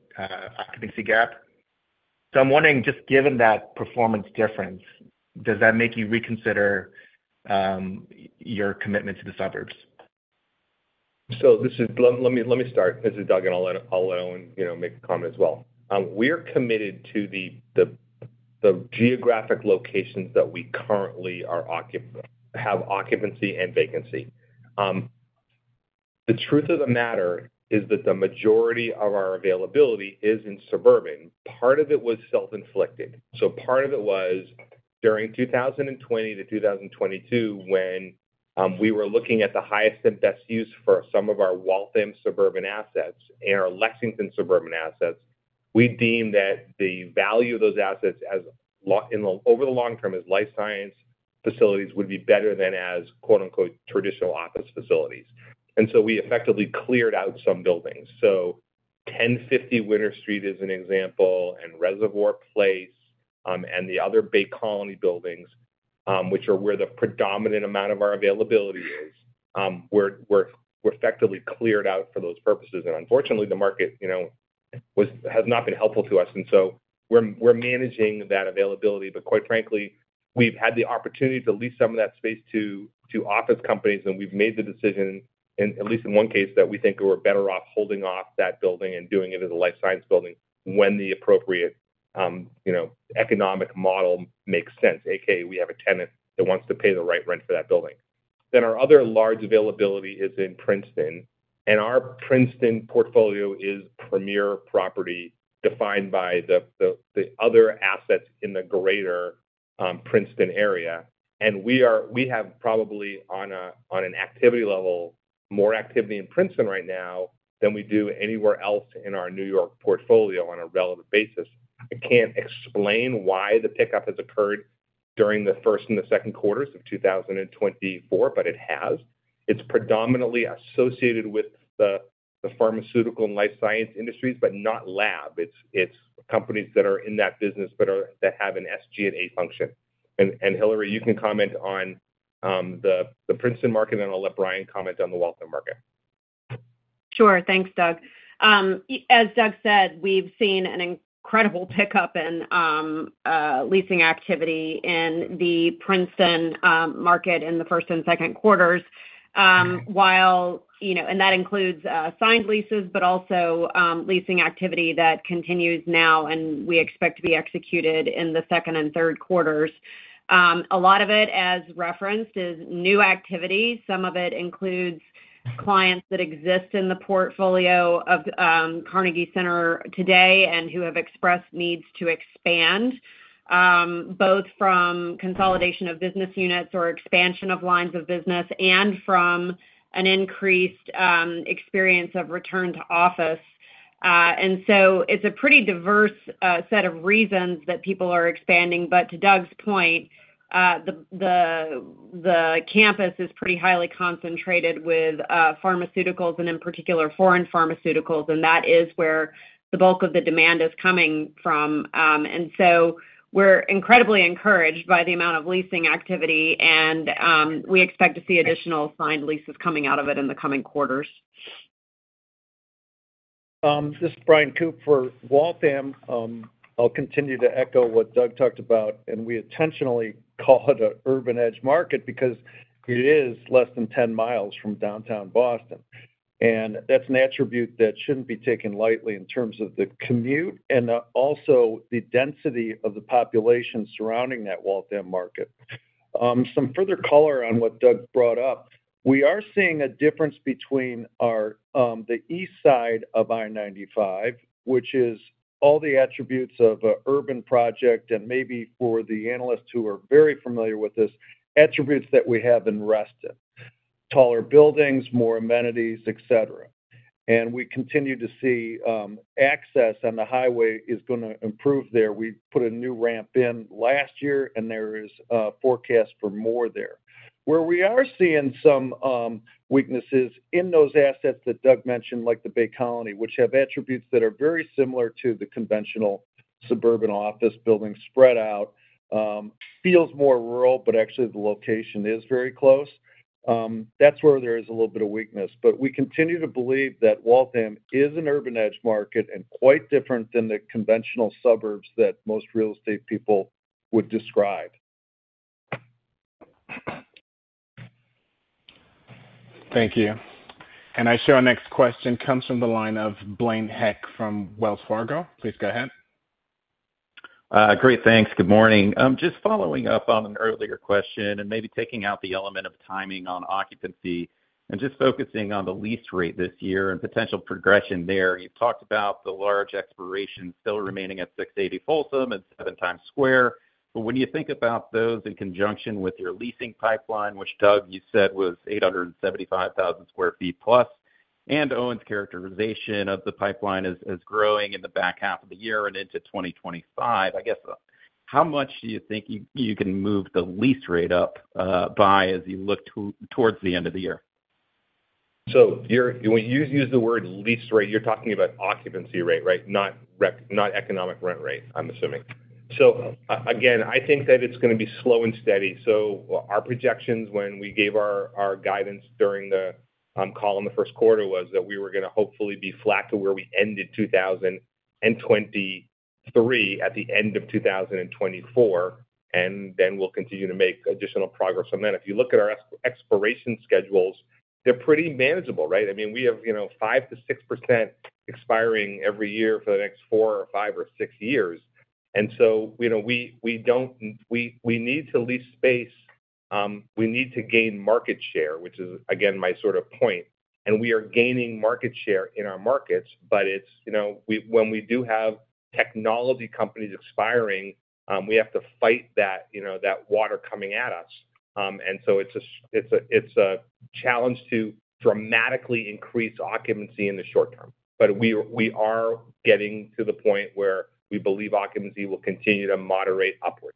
Speaker 11: occupancy gap. So I'm wondering, just given that performance difference, does that make you reconsider your commitment to the suburbs?
Speaker 4: This is Doug, and I'll let Owen, you know, make a comment as well. We're committed to the geographic locations that we currently have occupancy and vacancy. The truth of the matter is that the majority of our availability is in suburban. Part of it was self-inflicted. So part of it was, during 2020 to 2022, when we were looking at the highest and best use for some of our Waltham suburban assets and our Lexington suburban assets, we deemed that the value of those assets over the long term as life science facilities would be better than as, quote-unquote, "traditional office facilities." And so we effectively cleared out some buildings. So 1050 Winter Street is an example, and Reservoir Place, and the other Bay Colony buildings, which are where the predominant amount of our availability is, were effectively cleared out for those purposes. And unfortunately, the market, you know, has not been helpful to us, and so we're managing that availability. But quite frankly, we've had the opportunity to lease some of that space to office companies, and we've made the decision, at least in one case, that we think we're better off holding off that building and doing it as a life science building when the appropriate economic model makes sense, AKA, we have a tenant that wants to pay the right rent for that building. Then our other large availability is in Princeton, and our Princeton portfolio is premier property, defined by the other assets in the greater Princeton area. And we are—we have probably on a, on an activity level, more activity in Princeton right now than we do anywhere else in our New York portfolio on a relative basis. I can't explain why the pickup has occurred during the first and the Q2s of 2024, but it has. It's predominantly associated with the pharmaceutical and life science industries, but not lab. It's companies that are in that business, but are, that have an SG&A function. And Hilary, you can comment on the Princeton market, then I'll let Brian comment on the Waltham market.
Speaker 8: Sure. Thanks, Doug. As Doug said, we've seen an incredible pickup in leasing activity in the Princeton market in the first and Q2s. While, you know, and that includes signed leases, but also leasing activity that continues now, and we expect to be executed in the Q2 and Q3s. A lot of it, as referenced, is new activity. Some of it includes clients that exist in the portfolio of Carnegie Center today, and who have expressed needs to expand both from consolidation of business units or expansion of lines of business, and from an increased experience of return to office. And so it's a pretty diverse set of reasons that people are expanding. But to Doug's point, the campus is pretty highly concentrated with pharmaceuticals, and in particular, foreign pharmaceuticals, and that is where the bulk of the demand is coming from. And so we're incredibly encouraged by the amount of leasing activity, and we expect to see additional signed leases coming out of it in the coming quarters.
Speaker 12: This is Bryan Koop for Waltham. I'll continue to echo what Doug talked about, and we intentionally call it an urban edge market because it is less than 10 miles from downtown Boston. And that's an attribute that shouldn't be taken lightly in terms of the commute and also the density of the population surrounding that Waltham market. Some further color on what Doug brought up. We are seeing a difference between our the east side of I-95, which is all the attributes of a urban project, and maybe for the analysts who are very familiar with this, attributes that we have in Reston: taller buildings, more amenities, et cetera. And we continue to see access on the highway is gonna improve there. We put a new ramp in last year, and there is a forecast for more there. Where we are seeing some weaknesses in those assets that Doug mentioned, like the Bay Colony, which have attributes that are very similar to the conventional suburban office building, spread out, feels more rural, but actually the location is very close. That's where there is a little bit of weakness. But we continue to believe that Waltham is an urban edge market and quite different than the conventional suburbs that most real estate people would describe.
Speaker 1: Thank you. Our next question comes from the line of Blaine Heck from Wells Fargo. Please go ahead.
Speaker 13: Great. Thanks. Good morning. Just following up on an earlier question, and maybe taking out the element of timing on occupancy and just focusing on the lease rate this year and potential progression there. You've talked about the large expiration still remaining at 680 Folsom Street and 7 Times Square. But when you think about those in conjunction with your leasing pipeline, which, Doug, you said was 875,000 sq ft plus, and Owen's characterization of the pipeline is growing in the back half of the year and into 2025, I guess, how much do you think you can move the lease rate up by as you look towards the end of the year?
Speaker 4: So you're... When you use the word lease rate, you're talking about occupancy rate, right? Not economic rent rate, I'm assuming. So, again, I think that it's gonna be slow and steady. So our projections when we gave our guidance during the call in the Q1 was that we were gonna hopefully be flat to where we ended 2023, at the end of 2024, and then we'll continue to make additional progress on that. If you look at our expiration schedules, they're pretty manageable, right? I mean, we have, you know, 5% to 6% expiring every year for the next four, five or six years. And so, you know, we need to lease space, we need to gain market share, which is, again, my sort of point. And we are gaining market share in our markets, but it's, you know, we, when we do have technology companies expiring, we have to fight that, you know, that water coming at us. And so it's a challenge to dramatically increase occupancy in the short term. But we, we are getting to the point where we believe occupancy will continue to moderate upward.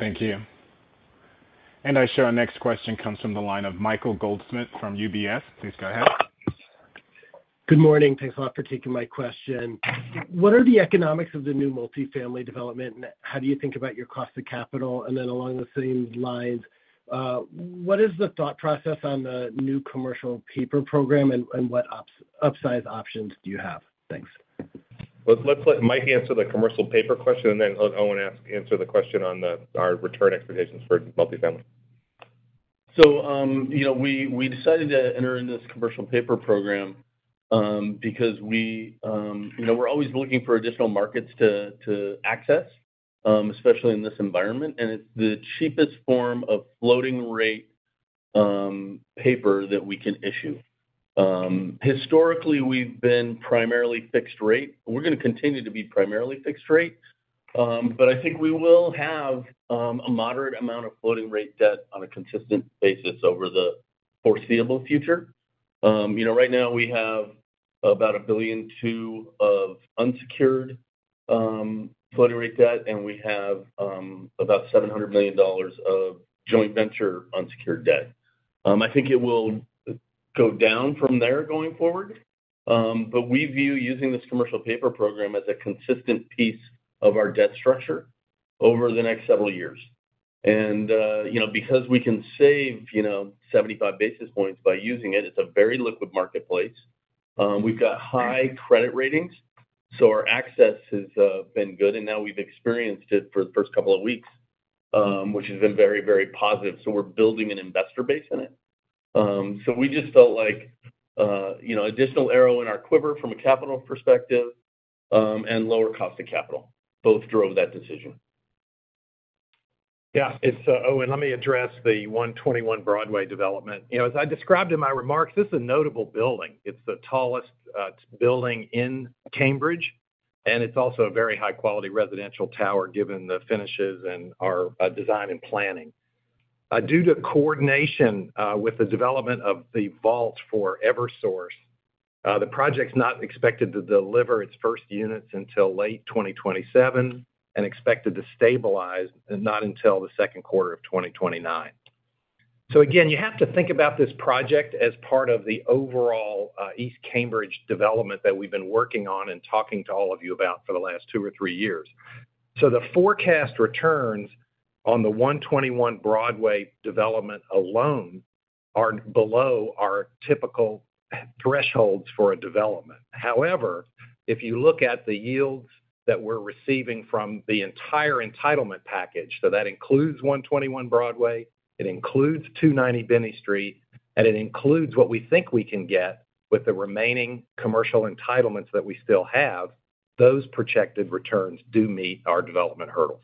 Speaker 1: Thank you. Our next question comes from the line of Michael Goldsmith from UBS. Please go ahead.
Speaker 14: Good morning. Thanks a lot for taking my question. What are the economics of the new multifamily development, and how do you think about your cost of capital? And then along the same lines, what is the thought process on the new Commercial Paper program, and what upsize options do you have? Thanks.
Speaker 4: Let's let Mike answer the commercial paper question, and then, Owen, answer the question on our return expectations for multifamily. So, you know, we decided to enter into this commercial paper program because you know, we're always looking for additional markets to access, especially in this environment, and it's the cheapest form of floating rate paper that we can issue. Historically, we've been primarily fixed rate. We're gonna continue to be primarily fixed rate, but I think we will have a moderate amount of floating rate debt on a consistent basis over the foreseeable future. You know, right now we have about $1.2 billion of unsecured floating rate debt, and we have about $700,000,000 of joint venture unsecured debt. I think it will go down from there going forward. But we view using this commercial paper program as a consistent piece of our debt structure over the next several years. And you know, because we can save, you know, 75 basis points by using it, it's a very liquid marketplace. We've got high credit ratings, so our access has been good, and now we've experienced it for the first couple of weeks, which has been very, very positive. So we're building an investor base in it. So we just felt like, you know, additional arrow in our quiver from a capital perspective, and lower cost of capital. Both drove that decision.
Speaker 3: Yeah, it's. Oh, and let me address the 121 Broadway development. You know, as I described in my remarks, this is a notable building. It's the tallest building in Cambridge, and it's also a very high-quality residential tower, given the finishes and our design and planning. Due to coordination with the development of The Vault for Eversource, the project's not expected to deliver its first units until late 2027 and expected to stabilize, and not until the Q2 of 2029. So again, you have to think about this project as part of the overall East Cambridge development that we've been working on and talking to all of you about for the last two or three years. So the forecast returns on the 121 Broadway development alone are below our typical thresholds for a development. However, if you look at the yields that we're receiving from the entire entitlement package, so that includes 121 Broadway, it includes 290 Binney Street, and it includes what we think we can get with the remaining commercial entitlements that we still have, those projected returns do meet our development hurdles.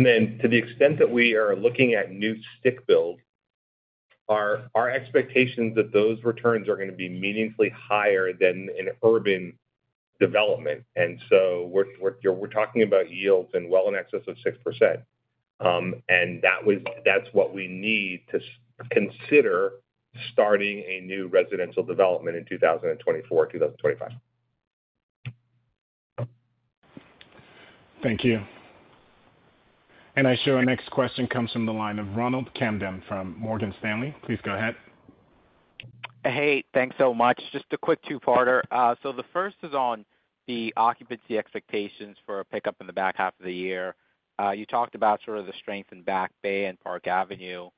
Speaker 4: Then to the extent that we are looking at new stick build, our expectations that those returns are going to be meaningfully higher than an urban development. So we're talking about yields well in excess of 6%. That's what we need to consider starting a new residential development in 2024, 2025.
Speaker 1: Thank you. I show our next question comes from the line of Ronald Kamdem from Morgan Stanley. Please go ahead.
Speaker 15: Hey, thanks so much. Just a quick two-parter. So the first is on the occupancy expectations for a pickup in the back half of the year. You talked about sort of the strength in Back Bay and Park Avenue,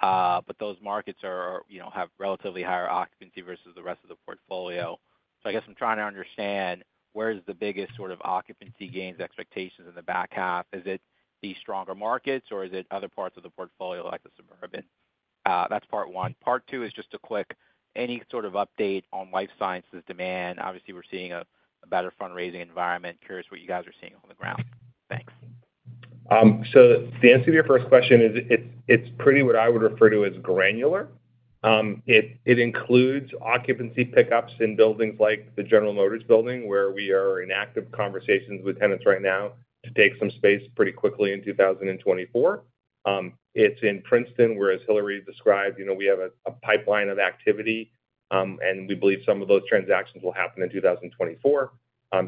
Speaker 15: but those markets are, you know, have relatively higher occupancy versus the rest of the portfolio. So I guess I'm trying to understand, where is the biggest sort of occupancy gains expectations in the back half? Is it the stronger markets, or is it other parts of the portfolio, like the suburban? That's part one. Part two is just a quick, any sort of update on life sciences demand. Obviously, we're seeing a better fundraising environment. Curious what you guys are seeing on the ground. Thanks.
Speaker 4: So the answer to your first question is, it's pretty, what I would refer to as granular. It includes occupancy pickups in buildings like the General Motors Building, where we are in active conversations with tenants right now to take some space pretty quickly in 2024. It's in Princeton, where, as Hilary described, you know, we have a pipeline of activity, and we believe some of those transactions will happen in 2024.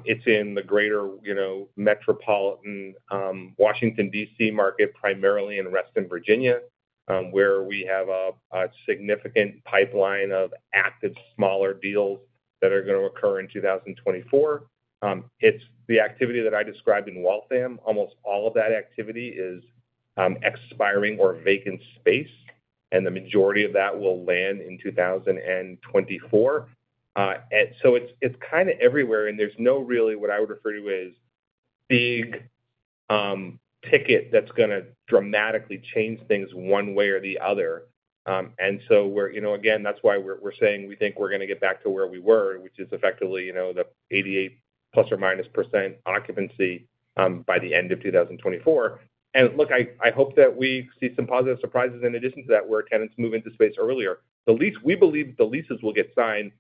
Speaker 4: It's in the greater, you know, metropolitan Washington, D.C., market, primarily in Reston, Virginia, where we have a significant pipeline of active, smaller deals that are going to occur in 2024. It's the activity that I described in Waltham. Almost all of that activity is expiring or vacant space, and the majority of that will land in 2024. And so it's kind of everywhere, and there's no really what I would refer to as big ticket that's gonna dramatically change things one way or the other. And so we're, you know, again, that's why we're saying we think we're gonna get back to where we were, which is effectively, you know, the 88% plus or minus occupancy by the end of 2024. And look, I hope that we see some positive surprises in addition to that, where tenants move into space earlier. The leases. We believe the leases will get signed.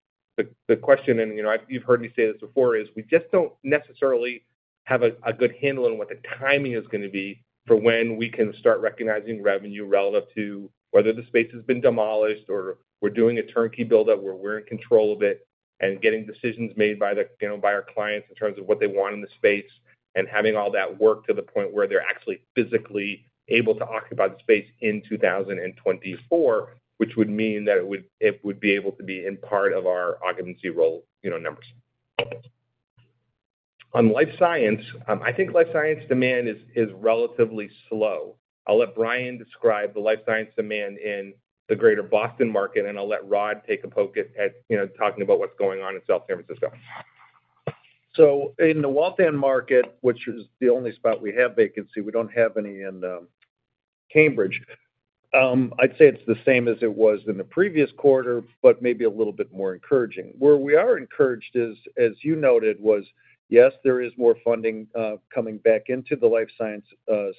Speaker 4: The question and, you know, you've heard me say this before, is we just don't necessarily have a good handle on what the timing is going to be for when we can start recognizing revenue relative to whether the space has been demolished or we're doing a turnkey build-up, where we're in control of it, and getting decisions made by the, you know, by our clients in terms of what they want in the space, and having all that work to the point where they're actually physically able to occupy the space in 2024, which would mean that it would be able to be in part of our occupancy roll, you know, numbers. On life science, I think life science demand is relatively slow. I'll let Brian describe the life science demand in the greater Boston market, and I'll let Rod take a poke at, you know, talking about what's going on in South San Francisco.
Speaker 12: So in the Waltham market, which is the only spot we have vacancy, we don't have any in Cambridge. I'd say it's the same as it was in the previous quarter, but maybe a little bit more encouraging. Where we are encouraged is, as you noted, was, yes, there is more funding coming back into the life science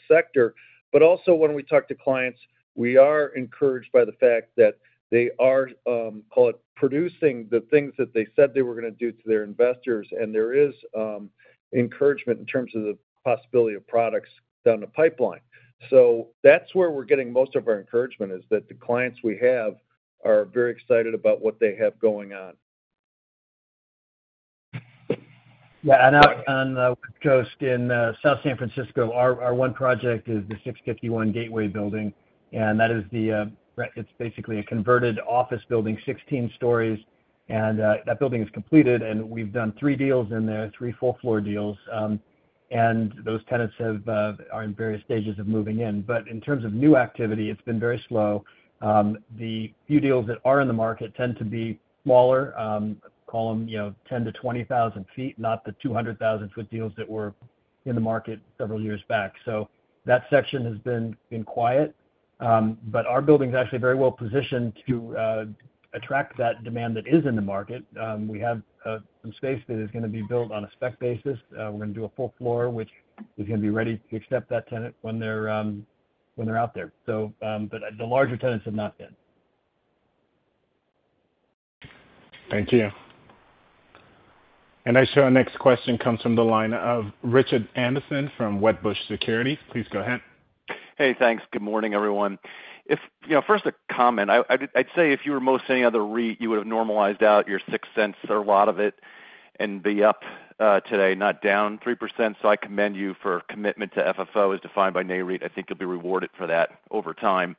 Speaker 12: sector, but also when we talk to clients, we are encouraged by the fact that they are call it, producing the things that they said they were gonna do to their investors, and there is encouragement in terms of the possibility of products down the pipeline. So that's where we're getting most of our encouragement, is that the clients we have are very excited about what they have going on.
Speaker 10: Yeah, and out on the West Coast, in South San Francisco, our one project is the 651 Gateway Building, and that is the—it's basically a converted office building, 16 stories, and that building is completed, and we've done three deals in there, three full floor deals. And those tenants are in various stages of moving in. But in terms of new activity, it's been very slow. The few deals that are in the market tend to be smaller, call them, you know, 10,000 to 20,000 sq ft, not the 200,000 sq ft deals that were in the market several years back. So that section has been quiet. But our building's actually very well positioned to attract that demand that is in the market. We have some space that is gonna be built on a spec basis. We're gonna do a full floor, which is gonna be ready to accept that tenant when they're out there. So, but the larger tenants have not been.
Speaker 1: Thank you. I show our next question comes from the line of Richard Anderson from Wedbush Securities. Please go ahead.
Speaker 16: Hey, thanks. Good morning, everyone. You know, first a comment. I'd say if you were most any other REIT, you would have normalized out your $0.06 or a lot of it, and be up today, not down 3%. So I commend you for commitment to FFO as defined by NAREIT. I think you'll be rewarded for that over time.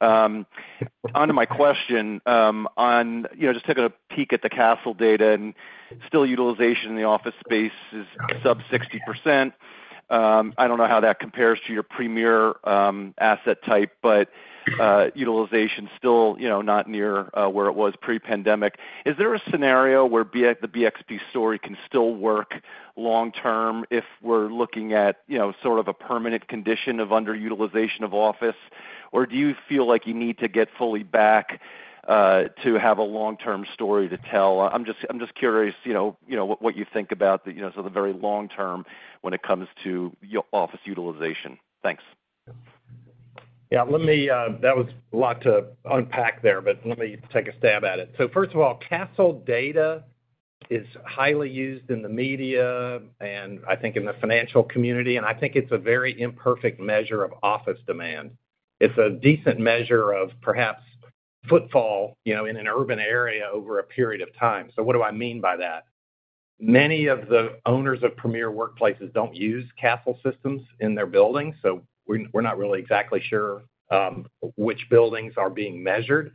Speaker 16: Onto my question, you know, just taking a peek at the Kastle data, and still utilization in the office space is sub 60%. I don't know how that compares to your premier asset type, but utilization still, you know, not near where it was pre-pandemic. Is there a scenario where the BXP story can still work long-term if we're looking at, you know, sort of a permanent condition of underutilization of office? Or do you feel like you need to get fully back to have a long-term story to tell? I'm just, I'm just curious, you know, you know, what, what you think about, you know, so the very long term when it comes to office utilization. Thanks.
Speaker 3: Yeah, let me. That was a lot to unpack there, but let me take a stab at it. So first of all, Kastle data is highly used in the media, and I think in the financial community, and I think it's a very imperfect measure of office demand. It's a decent measure of perhaps footfall, you know, in an urban area over a period of time. So what do I mean by that? Many of the owners of Premier Workplaces don't use Kastle Systems in their buildings, so we're, we're not really exactly sure which buildings are being measured.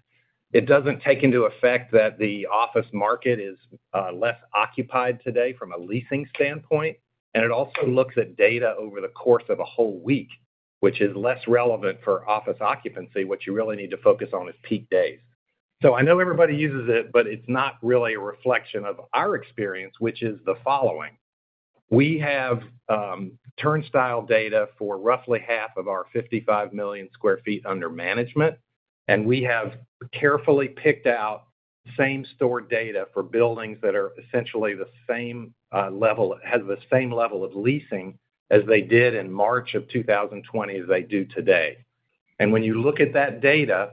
Speaker 3: It doesn't take into effect that the office market is less occupied today from a leasing standpoint. And it also looks at data over the course of a whole week, which is less relevant for office occupancy. What you really need to focus on is peak days. So I know everybody uses it, but it's not really a reflection of our experience, which is the following: We have turnstile data for roughly half of our 55 million sq ft under management, and we have carefully picked out same-store data for buildings that are essentially the same level—has the same level of leasing as they did in March of 2020 as they do today. And when you look at that data,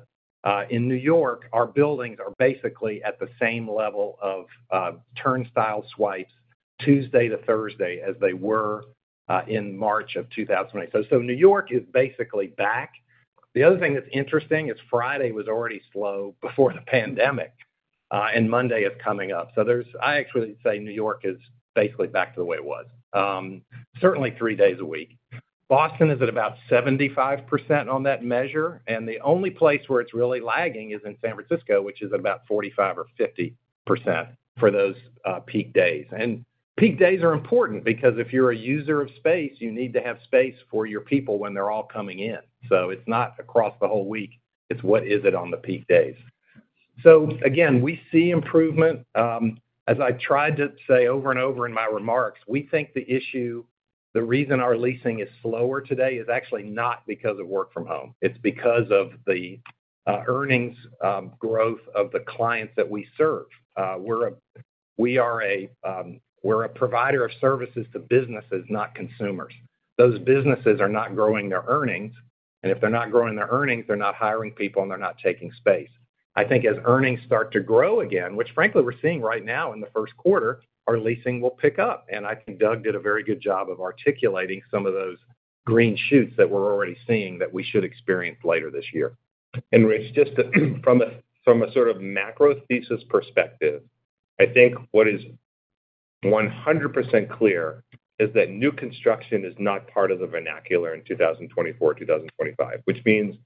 Speaker 3: in New York, our buildings are basically at the same level of turnstile swipes Tuesday to Thursday as they were in March of 2028. So, so New York is basically back. The other thing that's interesting is Friday was already slow before the pandemic, and Monday is coming up. So there's I actually say New York is basically back to the way it was, certainly three days a week. Boston is at about 75% on that measure, and the only place where it's really lagging is in San Francisco, which is about 45% or 50% for those peak days. And peak days are important because if you're a user of space, you need to have space for your people when they're all coming in. So it's not across the whole week, it's what is it on the peak days. So again, we see improvement. As I tried to say over and over in my remarks, we think the issue, the reason our leasing is slower today, is actually not because of work from home, it's because of the earnings growth of the clients that we serve. We are a provider of services to businesses, not consumers. Those businesses are not growing their earnings, and if they're not growing their earnings, they're not hiring people, and they're not taking space. I think as earnings start to grow again, which frankly, we're seeing right now in the Q1, our leasing will pick up. And I think Doug did a very good job of articulating some of those green shoots that we're already seeing that we should experience later this year.
Speaker 4: Rich, just to, from a sort of macro thesis perspective, I think what is 100% clear is that new construction is not part of the vernacular in 2024, 2025. Which means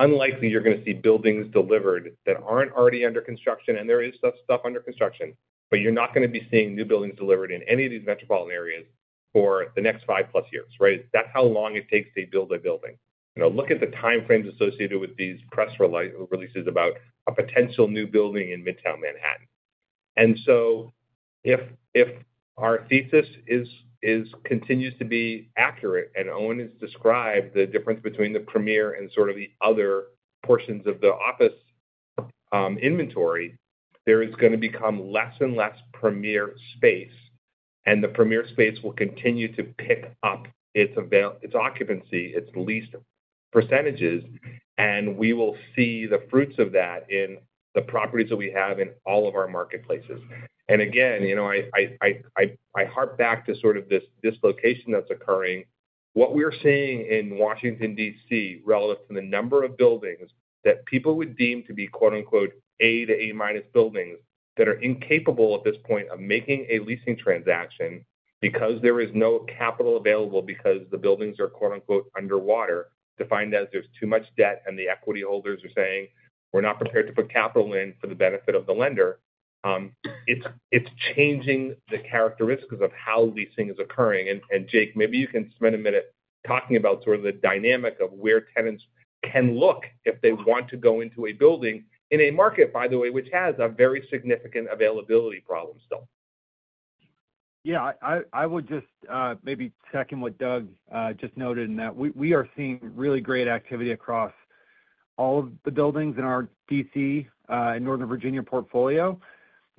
Speaker 4: unlikely you're gonna see buildings delivered that aren't already under construction, and there is stuff under construction, but you're not gonna be seeing new buildings delivered in any of these metropolitan areas.... for the next 5+ years, right? That's how long it takes to build a building. You know, look at the time frames associated with these press releases about a potential new building in Midtown Manhattan. So if our thesis is continues to be accurate, and Owen has described the difference between the premier and sort of the other portions of the office inventory, there is gonna become less and less premier space, and the premier space will continue to pick up its its occupancy, its leased percentages, and we will see the fruits of that in the properties that we have in all of our marketplaces. And again, you know, I harp back to sort of this dislocation that's occurring. What we're seeing in Washington, D.C., relative to the number of buildings that people would deem to be, quote-unquote, A to A-minus buildings, that are incapable at this point of making a leasing transaction because there is no capital available, because the buildings are, quote-unquote, underwater, defined as there's too much debt, and the equity holders are saying, We're not prepared to put capital in for the benefit of the lender. It's changing the characteristics of how leasing is occurring. And Jake, maybe you can spend a minute talking about sort of the dynamic of where tenants can look if they want to go into a building in a market, by the way, which has a very significant availability problem still.
Speaker 17: Yeah, I would just maybe second what Doug just noted in that we are seeing really great activity across all of the buildings in our DC and Northern Virginia portfolio.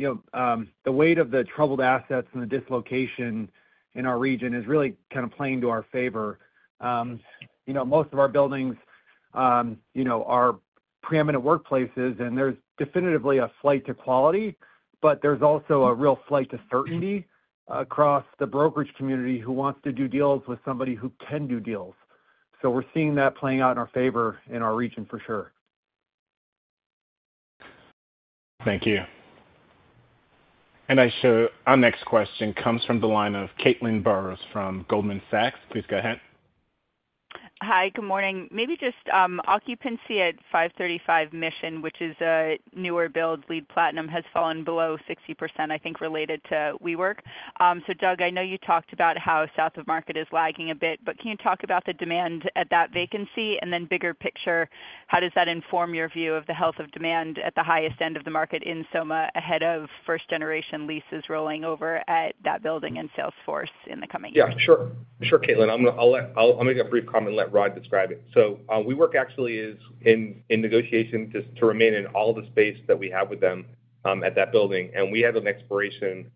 Speaker 17: You know, the weight of the troubled assets and the dislocation in our region is really kind of playing to our favor. You know, most of our buildings, you know, are preeminent workplaces, and there's definitively a flight to quality, but there's also a real flight to certainty across the brokerage community who wants to do deals with somebody who can do deals. So we're seeing that playing out in our favor in our region, for sure.
Speaker 1: Thank you. And our next question comes from the line of Caitlin Burrows from Goldman Sachs. Please go ahead.
Speaker 18: Hi, good morning. Maybe just occupancy at 535 Mission Street, which is a newer build, LEED Platinum, has fallen below 60%, I think, related to WeWork. So Doug, I know you talked about how South of Market is lagging a bit, but can you talk about the demand at that vacancy? And then bigger picture, how does that inform your view of the health of demand at the highest end of the market in SoMa, ahead of first-generation leases rolling over at that building and Salesforce in the coming years?
Speaker 4: Yeah, sure. Sure, Caitlin. I'm gonna. I'll let. I'll make a brief comment and let Rod describe it. So, WeWork actually is in, in negotiation to, to remain in all the space that we have with them at that building. And we have an expiration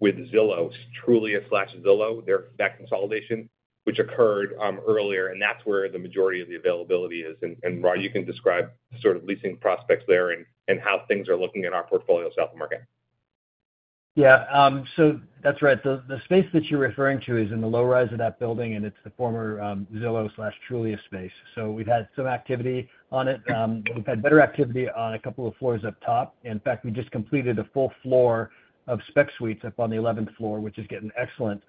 Speaker 4: with Zillow, Trulia/Zillow, that consolidation, which occurred earlier, and that's where the majority of the availability is. And, Rod, you can describe sort of leasing prospects there and how things are looking in our portfolio South of Market.
Speaker 10: Yeah, so that's right. The space that you're referring to is in the low rise of that building, and it's the former Zillow/Trulia space. So we've had some activity on it. We've had better activity on a couple of floors up top. In fact, we just completed a full floor of spec suites up on the 11th floor, which is getting excellent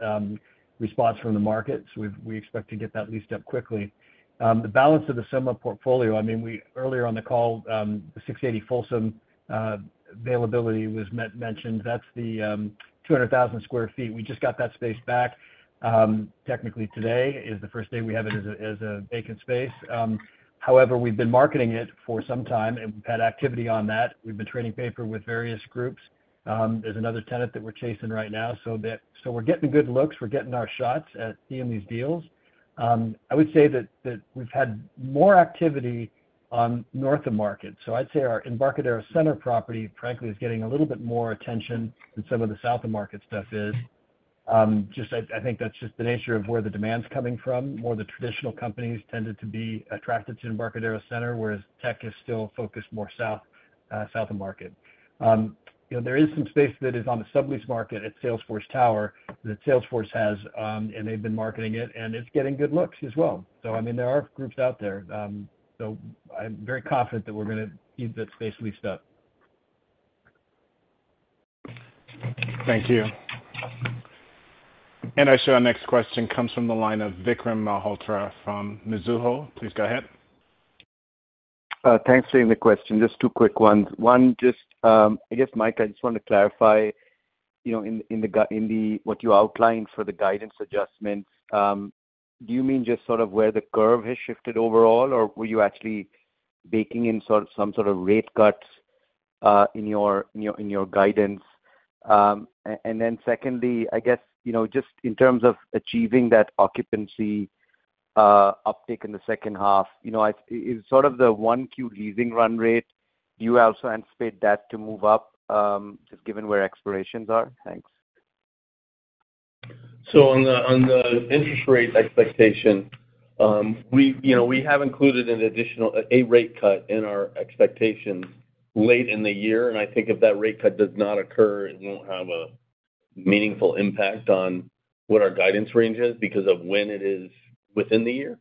Speaker 10: response from the market. So we expect to get that leased up quickly. The balance of the SoMa portfolio, I mean, earlier on the call, the 680 Folsom availability was mentioned. That's the 200,000 sq ft. We just got that space back, technically today is the first day we have it as a vacant space. However, we've been marketing it for some time and we've had activity on that. We've been trading paper with various groups. There's another tenant that we're chasing right now. So we're getting good looks, we're getting our shots at seeing these deals. I would say that we've had more activity on North of Market. So I'd say our Embarcadero Center property, frankly, is getting a little bit more attention than some of the South of Market stuff is. Just, I think that's just the nature of where the demand's coming from. More of the traditional companies tended to be attracted to Embarcadero Center, whereas tech is still focused more south, South of Market. You know, there is some space that is on the sublease market at Salesforce Tower that Salesforce has, and they've been marketing it, and it's getting good looks as well. So I mean, there are groups out there. I'm very confident that we're gonna get that space leased up.
Speaker 1: Thank you. Our next question comes from the line of Vikram Malhotra from Mizuho. Please go ahead.
Speaker 19: Thanks for taking the question. Just two quick ones. One, just, I guess, Mike, I just want to clarify, you know, in the guidance adjustments, do you mean just sort of where the curve has shifted overall, or were you actually baking in sort of some sort of rate cuts in your guidance? And then secondly, I guess, you know, just in terms of achieving that occupancy uptick in the H2, you know, is sort of the Q1 leasing run rate, do you also anticipate that to move up just given where expirations are? Thanks.
Speaker 4: So on the interest rate expectation, you know, we have included an additional rate cut in our expectations late in the year, and I think if that rate cut does not occur, it won't have a meaningful impact on what our guidance range is because of when it is within the year.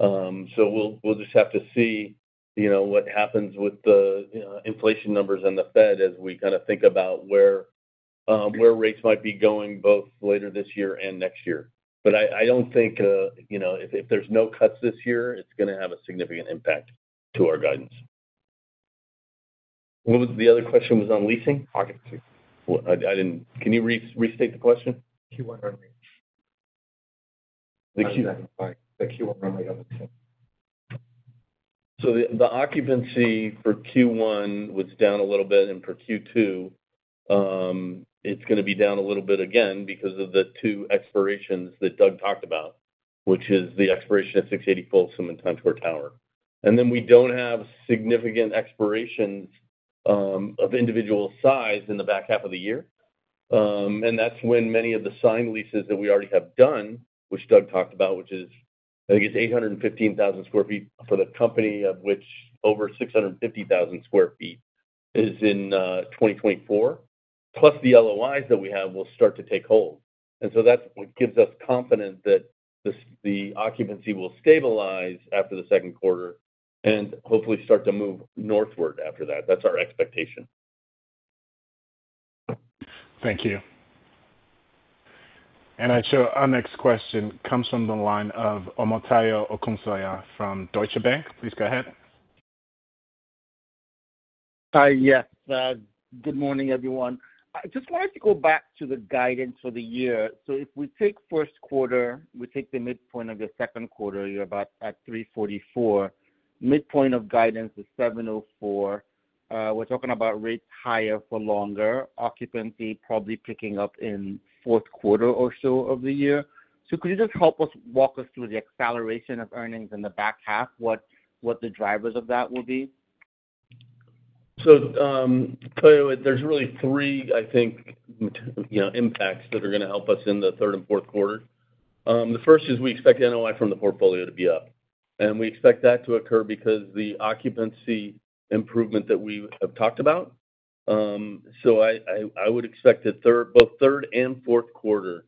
Speaker 4: So we'll just have to see, you know, what happens with the inflation numbers and the Fed as we kind of think about where rates might be going both later this year and next year. But I don't think, you know, if there's no cuts this year, it's gonna have a significant impact to our guidance....
Speaker 5: What was the other question on leasing?
Speaker 19: Occupancy.
Speaker 5: Well, I didn't. Can you restate the question?
Speaker 19: Q1 on lease.
Speaker 5: The Q-
Speaker 19: The Q1 on lease.
Speaker 5: So the occupancy for Q1 was down a little bit, and for Q2, it's gonna be down a little bit again because of the two expirations that Doug talked about, which is the expiration of 680 Folsom and Suncore Tower. And then we don't have significant expirations of individual size in the back half of the year. And that's when many of the signed leases that we already have done, which Doug talked about, which is, I think, it's 815,000 sq ft for the company, of which over 650,000 sq ft is in 2024, plus the LOIs that we have will start to take hold. And so that's what gives us confidence that the occupancy will stabilize after the Q2 and hopefully start to move northward after that. That's our expectation.
Speaker 1: Thank you. Our next question comes from the line of Omotayo Okusanya from Deutsche Bank. Please go ahead.
Speaker 20: Hi. Yes, good morning, everyone. I just wanted to go back to the guidance for the year. So if we take Q1, we take the midpoint of the Q2, you're about at $3.44. Midpoint of guidance is $7.04. We're talking about rates higher for longer, occupancy probably picking up in Q4 or so of the year. So could you just help us, walk us through the acceleration of earnings in the back half, what, what the drivers of that will be?
Speaker 5: So, tell you what, there's really three, I think, you know, impacts that are gonna help us in the third and Q4. The first is we expect NOI from the portfolio to be up, and we expect that to occur because the occupancy improvement that we have talked about. So I would expect that both third and Q4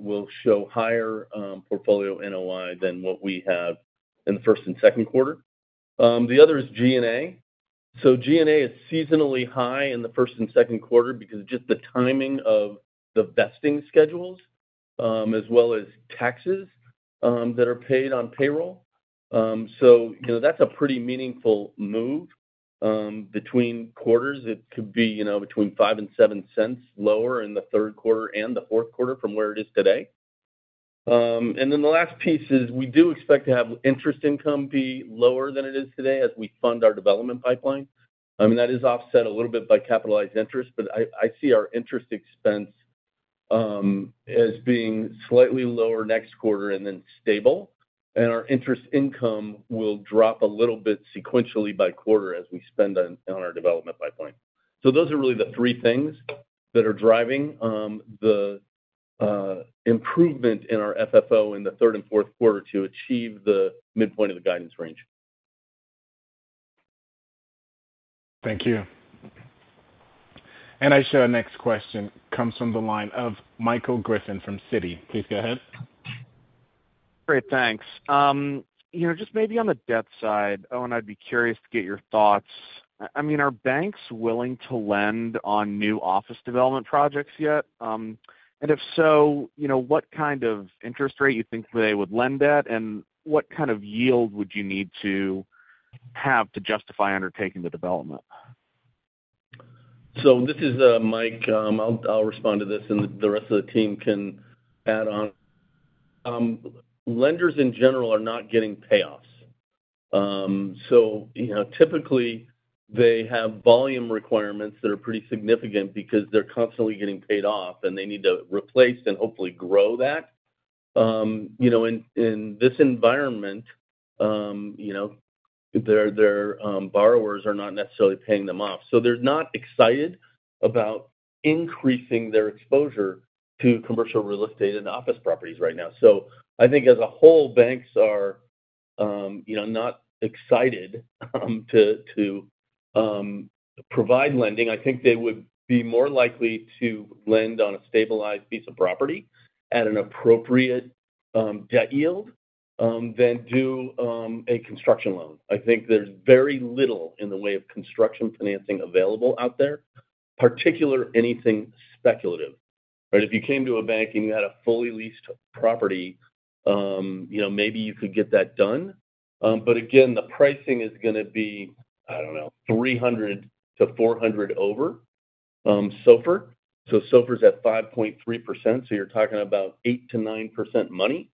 Speaker 5: will show higher portfolio NOI than what we have in the first and Q2. The other is G&A. So G&A is seasonally high in the first and Q2 because just the timing of the vesting schedules, as well as taxes that are paid on payroll. So, you know, that's a pretty meaningful move between quarters. It could be, you know, between $0.05 and $0.07 lower in the Q3 and the Q4 from where it is today. And then the last piece is we do expect to have interest income be lower than it is today as we fund our development pipeline. I mean, that is offset a little bit by capitalized interest, but I see our interest expense as being slightly lower next quarter and then stable, and our interest income will drop a little bit sequentially by quarter as we spend on our development pipeline. So those are really the three things that are driving the improvement in our FFO in the third and Q4 to achieve the midpoint of the guidance range.
Speaker 1: Thank you. And our next question comes from the line of Michael Griffin from Citi. Please go ahead.
Speaker 21: Great, thanks. You know, just maybe on the debt side, Owen, I'd be curious to get your thoughts. I mean, are banks willing to lend on new office development projects yet? And if so, you know, what kind of interest rate you think they would lend at, and what kind of yield would you need to have to justify undertaking the development?
Speaker 5: So this is Mike. I'll respond to this, and the rest of the team can add on. Lenders in general are not getting payoffs. So you know, typically, they have volume requirements that are pretty significant because they're constantly getting paid off, and they need to replace and hopefully grow that. You know, in this environment, you know, their borrowers are not necessarily paying them off. So they're not excited about increasing their exposure to commercial real estate and office properties right now. So I think as a whole, banks are you know, not excited to provide lending. I think they would be more likely to lend on a stabilized piece of property at an appropriate debt yield than do a construction loan. I think there's very little in the way of construction financing available out there, particularly anything speculative. But if you came to a bank, and you had a fully leased property, you know, maybe you could get that done. But again, the pricing is gonna be, I don't know, 300 to 400 over, SOFR. So SOFR's at 5.3%, so you're talking about 8% to 9% money.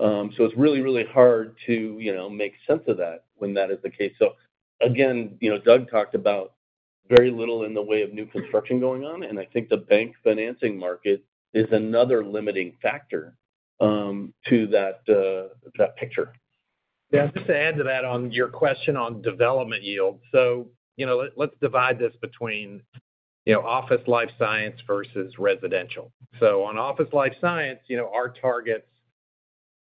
Speaker 5: So it's really, really hard to, you know, make sense of that when that is the case. So again, you know, Doug talked about very little in the way of new construction going on, and I think the bank financing market is another limiting factor, to that, that picture.
Speaker 21: Yeah.
Speaker 3: Just to add to that, on your question on development yield. So, you know, let's divide this between, you know, office life science versus residential. So on office life science, you know, our targets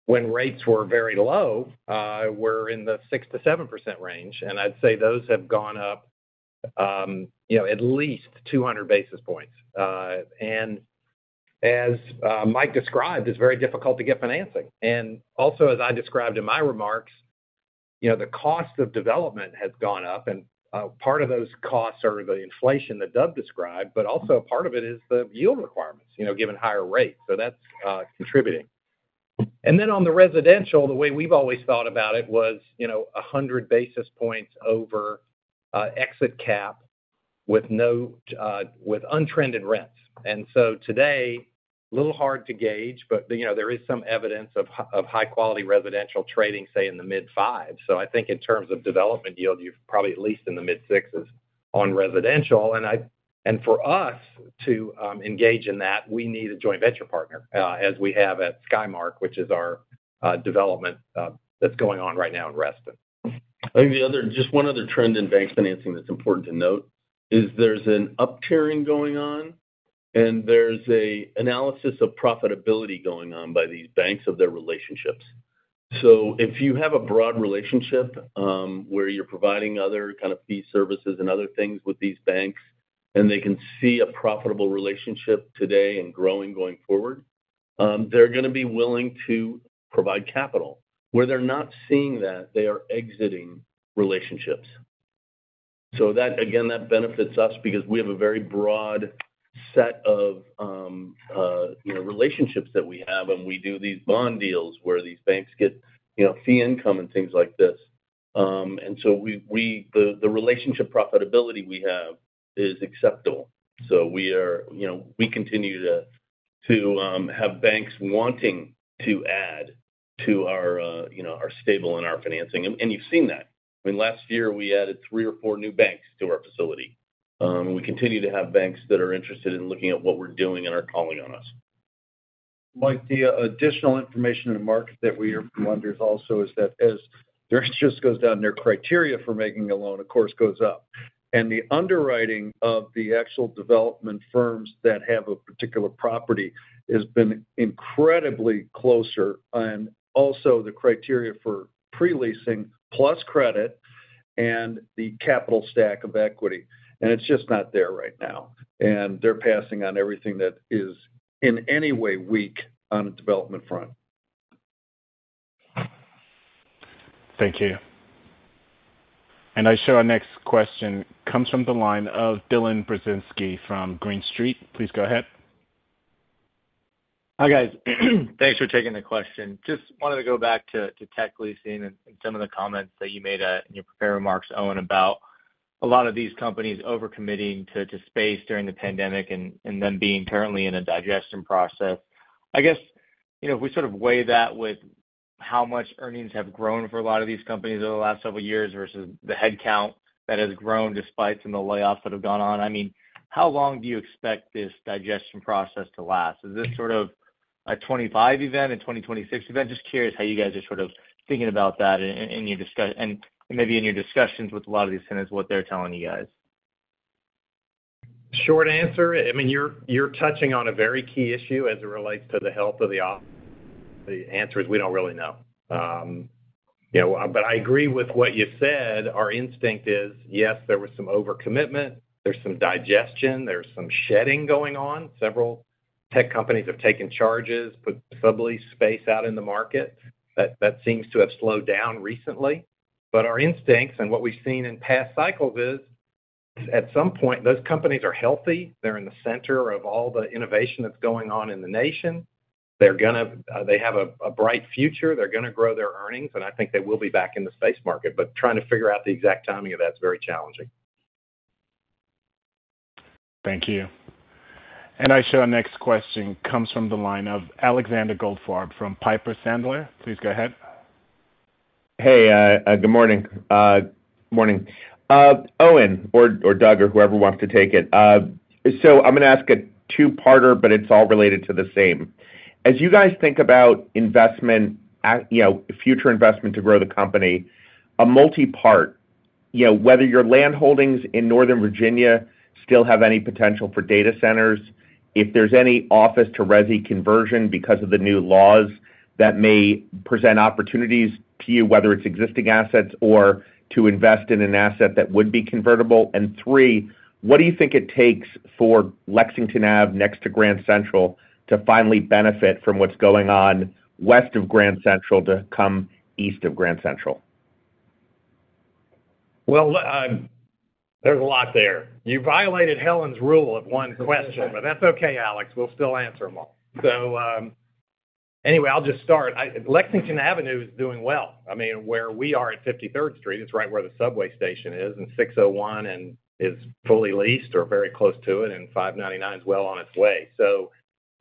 Speaker 3: when rates were very low were in the 6% to 7% range, and I'd say those have gone up, you know, at least 200 basis points. And as Mike described, it's very difficult to get financing. And also, as I described in my remarks, you know, the cost of development has gone up, and part of those costs are the inflation that Doug described, but also part of it is the yield requirements, you know, given higher rates. So that's contributing. Then on the residential, the way we've always thought about it was, you know, 100 basis points over exit cap with no, with untrended rents. And so today, a little hard to gauge, but, you know, there is some evidence of high-quality residential trading, say, in the mid-5s. So I think in terms of development yield, you've probably at least in the mid-6s on residential. And for us to engage in that, we need a joint venture partner, as we have at Skymark, which is our development that's going on right now in Reston.
Speaker 5: I think just one other trend in bank financing that's important to note is there's an uptiering going on, and there's a analysis of profitability going on by these banks of their relationships. So if you have a broad relationship, where you're providing other kind of fee services and other things with these banks, and they can see a profitable relationship today and growing going forward, they're gonna be willing to provide capital. Where they're not seeing that, they are exiting relationships. So that, again, that benefits us because we have a very broad set of, you know, relationships that we have, and we do these bond deals where these banks get, you know, fee income and things like this. And so the relationship profitability we have is acceptable. So we are... You know, we continue to have banks wanting to add to our, you know, our stable and our financing, and you've seen that. I mean, last year, we added three or four new banks to our facility. We continue to have banks that are interested in looking at what we're doing and are calling on us.
Speaker 12: Mike, additional information in the market that we are wondering also is that as their risk just goes down, their criteria for making a loan, of course, goes up. And the underwriting of the actual development firms that have a particular property has been incredibly closer, and also the criteria for pre-leasing plus credit and the capital stack of equity, and it's just not there right now. And they're passing on everything that is, in any way, weak on the development front.
Speaker 1: Thank you. I show our next question comes from the line of Dylan Burzinski from Green Street. Please go ahead.
Speaker 22: Hi, guys. Thanks for taking the question. Just wanted to go back to tech leasing and some of the comments that you made, uh, in your prepared remarks, Owen, about a lot of these companies over-committing to space during the pandemic and then being currently in a digestion process. I guess, you know, if we sort of weigh that with how much earnings have grown for a lot of these companies over the last several years versus the headcount that has grown, despite some of the layoffs that have gone on, I mean, how long do you expect this digestion process to last? Is this sort of a 2025 event, a 2026 event? Just curious how you guys are sort of thinking about that in your discussions and maybe in your discussions with a lot of these tenants, what they're telling you guys.
Speaker 3: Short answer, I mean, you're touching on a very key issue as it relates to the health of the op. The answer is we don't really know. You know, but I agree with what you said. Our instinct is, yes, there was some overcommitment, there's some digestion, there's some shedding going on. Several tech companies have taken charges, put sublease space out in the market. That seems to have slowed down recently. But our instincts and what we've seen in past cycles is, at some point, those companies are healthy. They're in the center of all the innovation that's going on in the nation. They have a bright future. They're gonna grow their earnings, and I think they will be back in the space market, but trying to figure out the exact timing of that is very challenging.
Speaker 1: Thank you. I show our next question comes from the line of Alexander Goldfarb from Piper Sandler. Please go ahead.
Speaker 23: Hey, good morning. Morning. Owen, or, or Doug, or whoever wants to take it. So I'm gonna ask a two-parter, but it's all related to the same. As you guys think about investment at, you know, future investment to grow the company, a multipart, you know, whether your land holdings in Northern Virginia still have any potential for data centers? If there's any office-to-resi conversion because of the new laws, that may present opportunities to you, whether it's existing assets or to invest in an asset that would be convertible. And three, what do you think it takes for Lexington Avenue next to Grand Central to finally benefit from what's going on west of Grand Central to come east of Grand Central?
Speaker 3: Well, there's a lot there. You violated Helen's rule of one question, but that's okay, Alex. We'll still answer them all. So, anyway, I'll just start. Lexington Avenue is doing well. I mean, where we are at 53rd Street, it's right where the subway station is, and 601, and is fully leased or very close to it, and 599 is well on its way. So,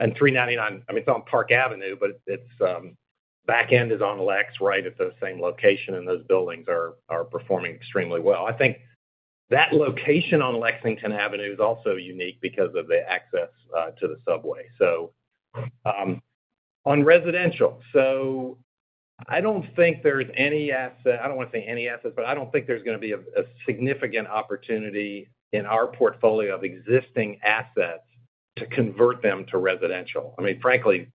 Speaker 3: 399, I mean, it's on Park Avenue, but it's back end is on Lex, right at the same location, and those buildings are performing extremely well. I think that location on Lexington Avenue is also unique because of the access to the subway. So, on residential, so I don't think there's any asset... I don't want to say any asset, but I don't think there's gonna be a significant opportunity in our portfolio of existing assets to convert them to residential. I mean, frankly,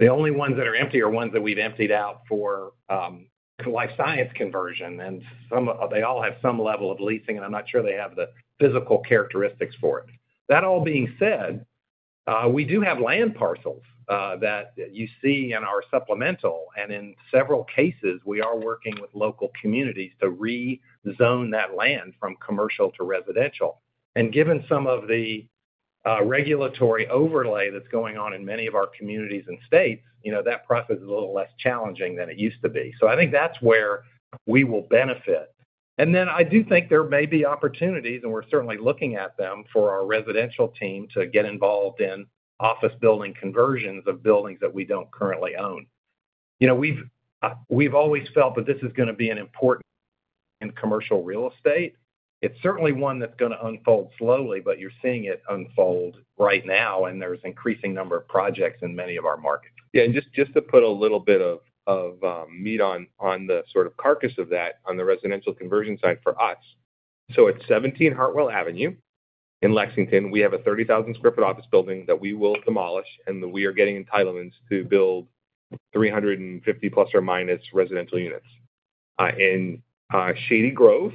Speaker 3: the only ones that are empty are ones that we've emptied out for life science conversion, and some of-- they all have some level of leasing, and I'm not sure they have the physical characteristics for it. That all being said, we do have land parcels that you see in our supplemental, and in several cases, we are working with local communities to rezone that land from commercial to residential. And given some of the regulatory overlay that's going on in many of our communities and states, you know, that process is a little less challenging than it used to be. So I think that's where we will benefit. And then I do think there may be opportunities, and we're certainly looking at them, for our residential team to get involved in office building conversions of buildings that we don't currently own. You know, we've, we've always felt that this is gonna be an important in commercial real estate. It's certainly one that's gonna unfold slowly, but you're seeing it unfold right now, and there's increasing number of projects in many of our markets.
Speaker 4: Yeah, and just to put a little bit of meat on the sort of carcass of that, on the residential conversion side for us. So at 17 Hartwell Avenue in Lexington, we have a 30,000 sq ft office building that we will demolish, and we are getting entitlements to build 350 ± residential units. In Shady Grove,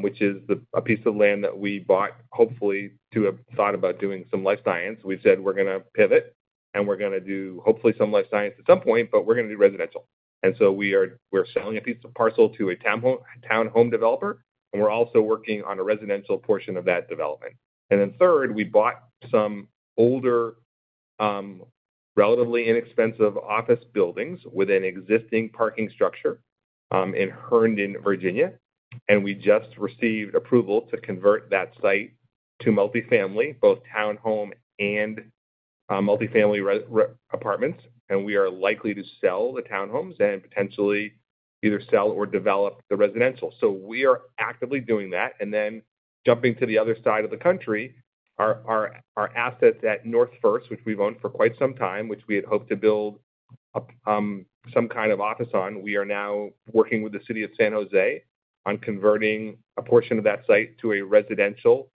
Speaker 4: which is a piece of land that we bought, hopefully, to have thought about doing some life science. We've said we're gonna pivot, and we're gonna do, hopefully, some life science at some point, but we're gonna do residential. And so we're selling a piece of parcel to a townhome developer, and we're also working on a residential portion of that development. And then third, we bought some older, relatively inexpensive office buildings with an existing parking structure in Herndon, Virginia, and we just received approval to convert that site to multifamily, both townhome and multifamily apartments. And we are likely to sell the townhomes and potentially either sell or develop the residential. So we are actively doing that. And then jumping to the other side of the country, our assets at North First, which we've owned for quite some time, which we had hoped to build some kind of office on, we are now working with the city of San Jose on converting a portion of that site to a residential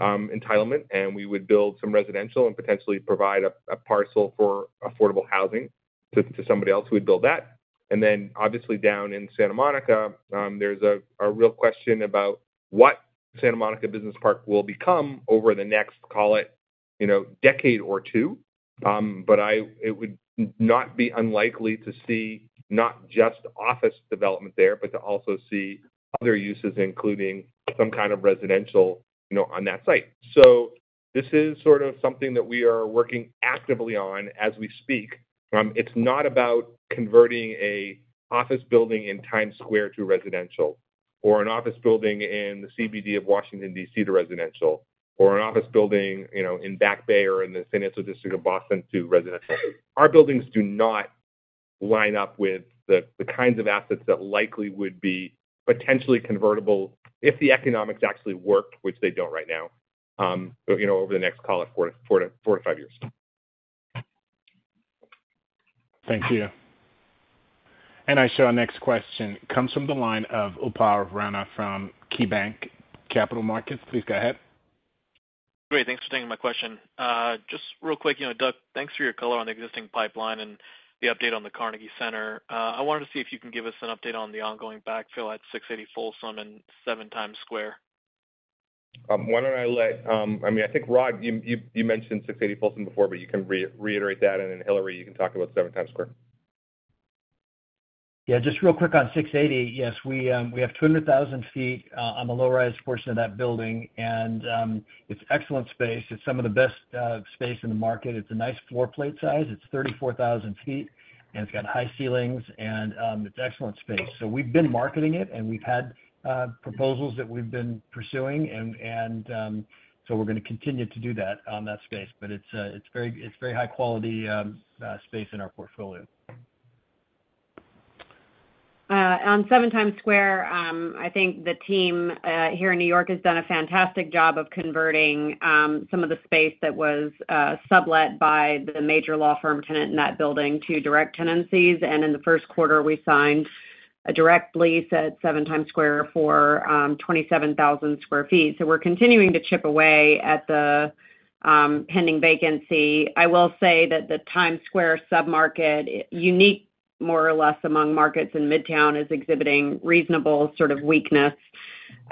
Speaker 4: entitlement, and we would build some residential and potentially provide a parcel for affordable housing to somebody else who would build that. And then, obviously, down in Santa Monica, there's a real question about what Santa Monica Business Park will become over the next, call it, you know, decade or two. But it would not be unlikely to see not just office development there, but to also see other uses, including some kind of residential, you know, on that site. So this is sort of something that we are working actively on as we speak. It's not about converting an office building in Times Square to residential, or an office building in the CBD of Washington, D.C., to residential, or an office building, you know, in Back Bay or in the Financial District of Boston to residential. Our buildings do not line up with the kinds of assets that likely would be potentially convertible if the economics actually worked, which they don't right now, but, you know, over the next, call it 4- to 5 years.
Speaker 1: Thank you. I show our next question comes from the line of Upal Rana from KeyBanc Capital Markets. Please go ahead.
Speaker 24: Great, thanks for taking my question. Just real quick, you know, Doug, thanks for your color on the existing pipeline and the update on the Carnegie Center. I wanted to see if you can give us an update on the ongoing backfill at 680 Folsom and 7 Times Square.
Speaker 4: Why don't I let, I mean, I think, Rod, you mentioned 680 Folsom Street before, but you can reiterate that, and then, Hilary, you can talk about 7 Times Square.
Speaker 3: Yeah, just real quick on 680. Yes, we, we have 200,000 sq ft on the low-rise portion of that building, and, it's excellent space. It's some of the best space in the market. It's a nice floor plate size. It's 34,000 sq ft, and it's got high ceilings, and, it's excellent space. So we've been marketing it, and we've had proposals that we've been pursuing, and, so we're gonna continue to do that on that space. But it's very, very high quality space in our portfolio.
Speaker 8: On 7 Times Square, I think the team here in New York has done a fantastic job of converting some of the space that was sublet by the major law firm tenant in that building to direct tenancies. And in the Q1, we signed a direct lease at 7 Times Square for 27,000 sq ft. So we're continuing to chip away at the pending vacancy. I will say that the Times Square submarket, unique more or less among markets in Midtown, is exhibiting reasonable sort of weakness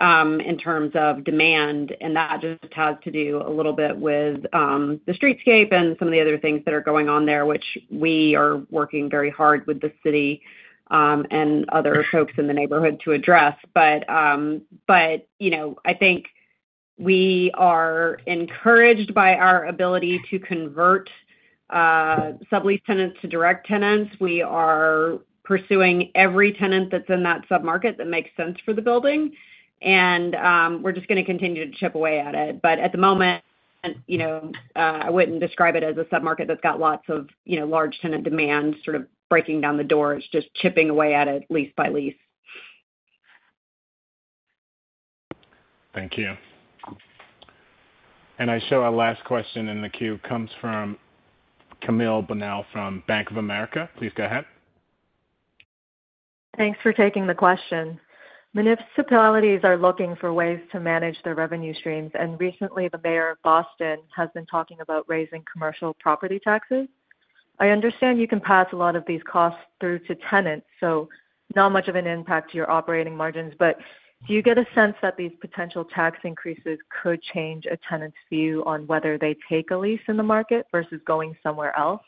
Speaker 8: in terms of demand, and that just has to do a little bit with the streetscape and some of the other things that are going on there, which we are working very hard with the city and other folks in the neighborhood to address. But, you know, I think we are encouraged by our ability to convert sublease tenants to direct tenants. We are pursuing every tenant that's in that submarket that makes sense for the building, and we're just gonna continue to chip away at it. But at the moment, you know, I wouldn't describe it as a submarket that's got lots of, you know, large tenant demand sort of breaking down the doors, just chipping away at it, lease by lease.
Speaker 1: Thank you. I show our last question in the queue comes from Camille Bonnel from Bank of America. Please go ahead.
Speaker 25: Thanks for taking the question. Municipalities are looking for ways to manage their revenue streams, and recently, the mayor of Boston has been talking about raising commercial property taxes. I understand you can pass a lot of these costs through to tenants, so not much of an impact to your operating margins, but do you get a sense that these potential tax increases could change a tenant's view on whether they take a lease in the market versus going somewhere else?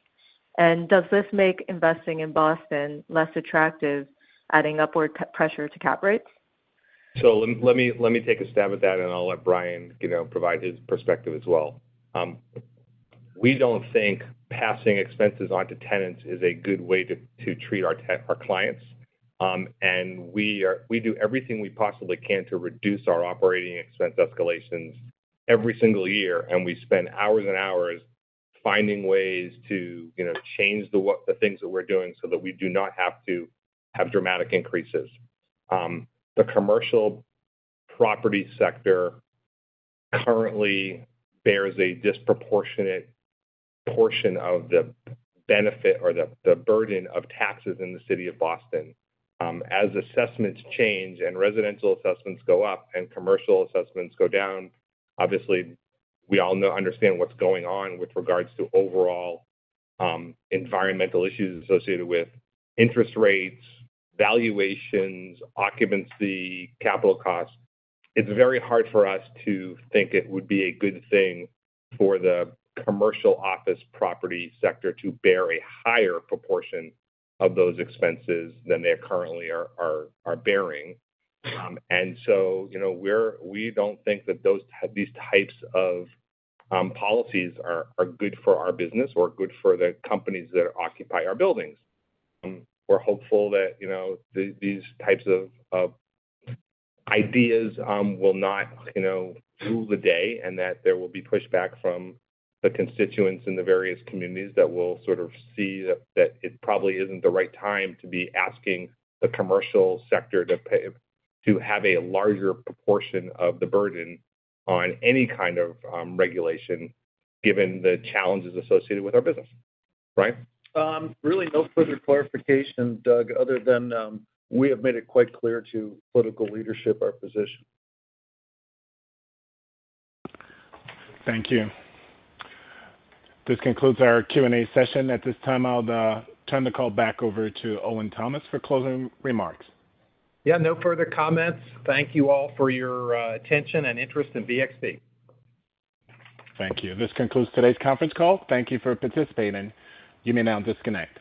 Speaker 25: And does this make investing in Boston less attractive, adding upward pressure to cap rates?...
Speaker 4: So let me take a stab at that, and I'll let Brian, you know, provide his perspective as well. We don't think passing expenses on to tenants is a good way to treat our ten-- our clients. And we do everything we possibly can to reduce our operating expense escalations every single year, and we spend hours and hours finding ways to, you know, change the things that we're doing, so that we do not have to have dramatic increases. The commercial property sector currently bears a disproportionate portion of the benefit or the burden of taxes in the city of Boston. As assessments change and residential assessments go up and commercial assessments go down, obviously, we all know, understand what's going on with regards to overall, environmental issues associated with interest rates, valuations, occupancy, capital costs. It's very hard for us to think it would be a good thing for the commercial office property sector to bear a higher proportion of those expenses than they currently are bearing. And so, you know, we're, we don't think that those type, these types of policies are good for our business or good for the companies that occupy our buildings. We're hopeful that, you know, these types of ideas will not, you know, rule the day, and that there will be pushback from the constituents in the various communities that will sort of see that it probably isn't the right time to be asking the commercial sector to pay, to have a larger proportion of the burden on any kind of regulation, given the challenges associated with our business. Brian?
Speaker 12: Really no further clarification, Doug, other than we have made it quite clear to political leadership our position.
Speaker 1: Thank you. This concludes our Q&A session. At this time, I'll turn the call back over to Owen Thomas for closing remarks.
Speaker 12: Yeah, no further comments. Thank you all for your attention and interest in BXP.
Speaker 1: Thank you. This concludes today's conference call. Thank you for participating. You may now disconnect.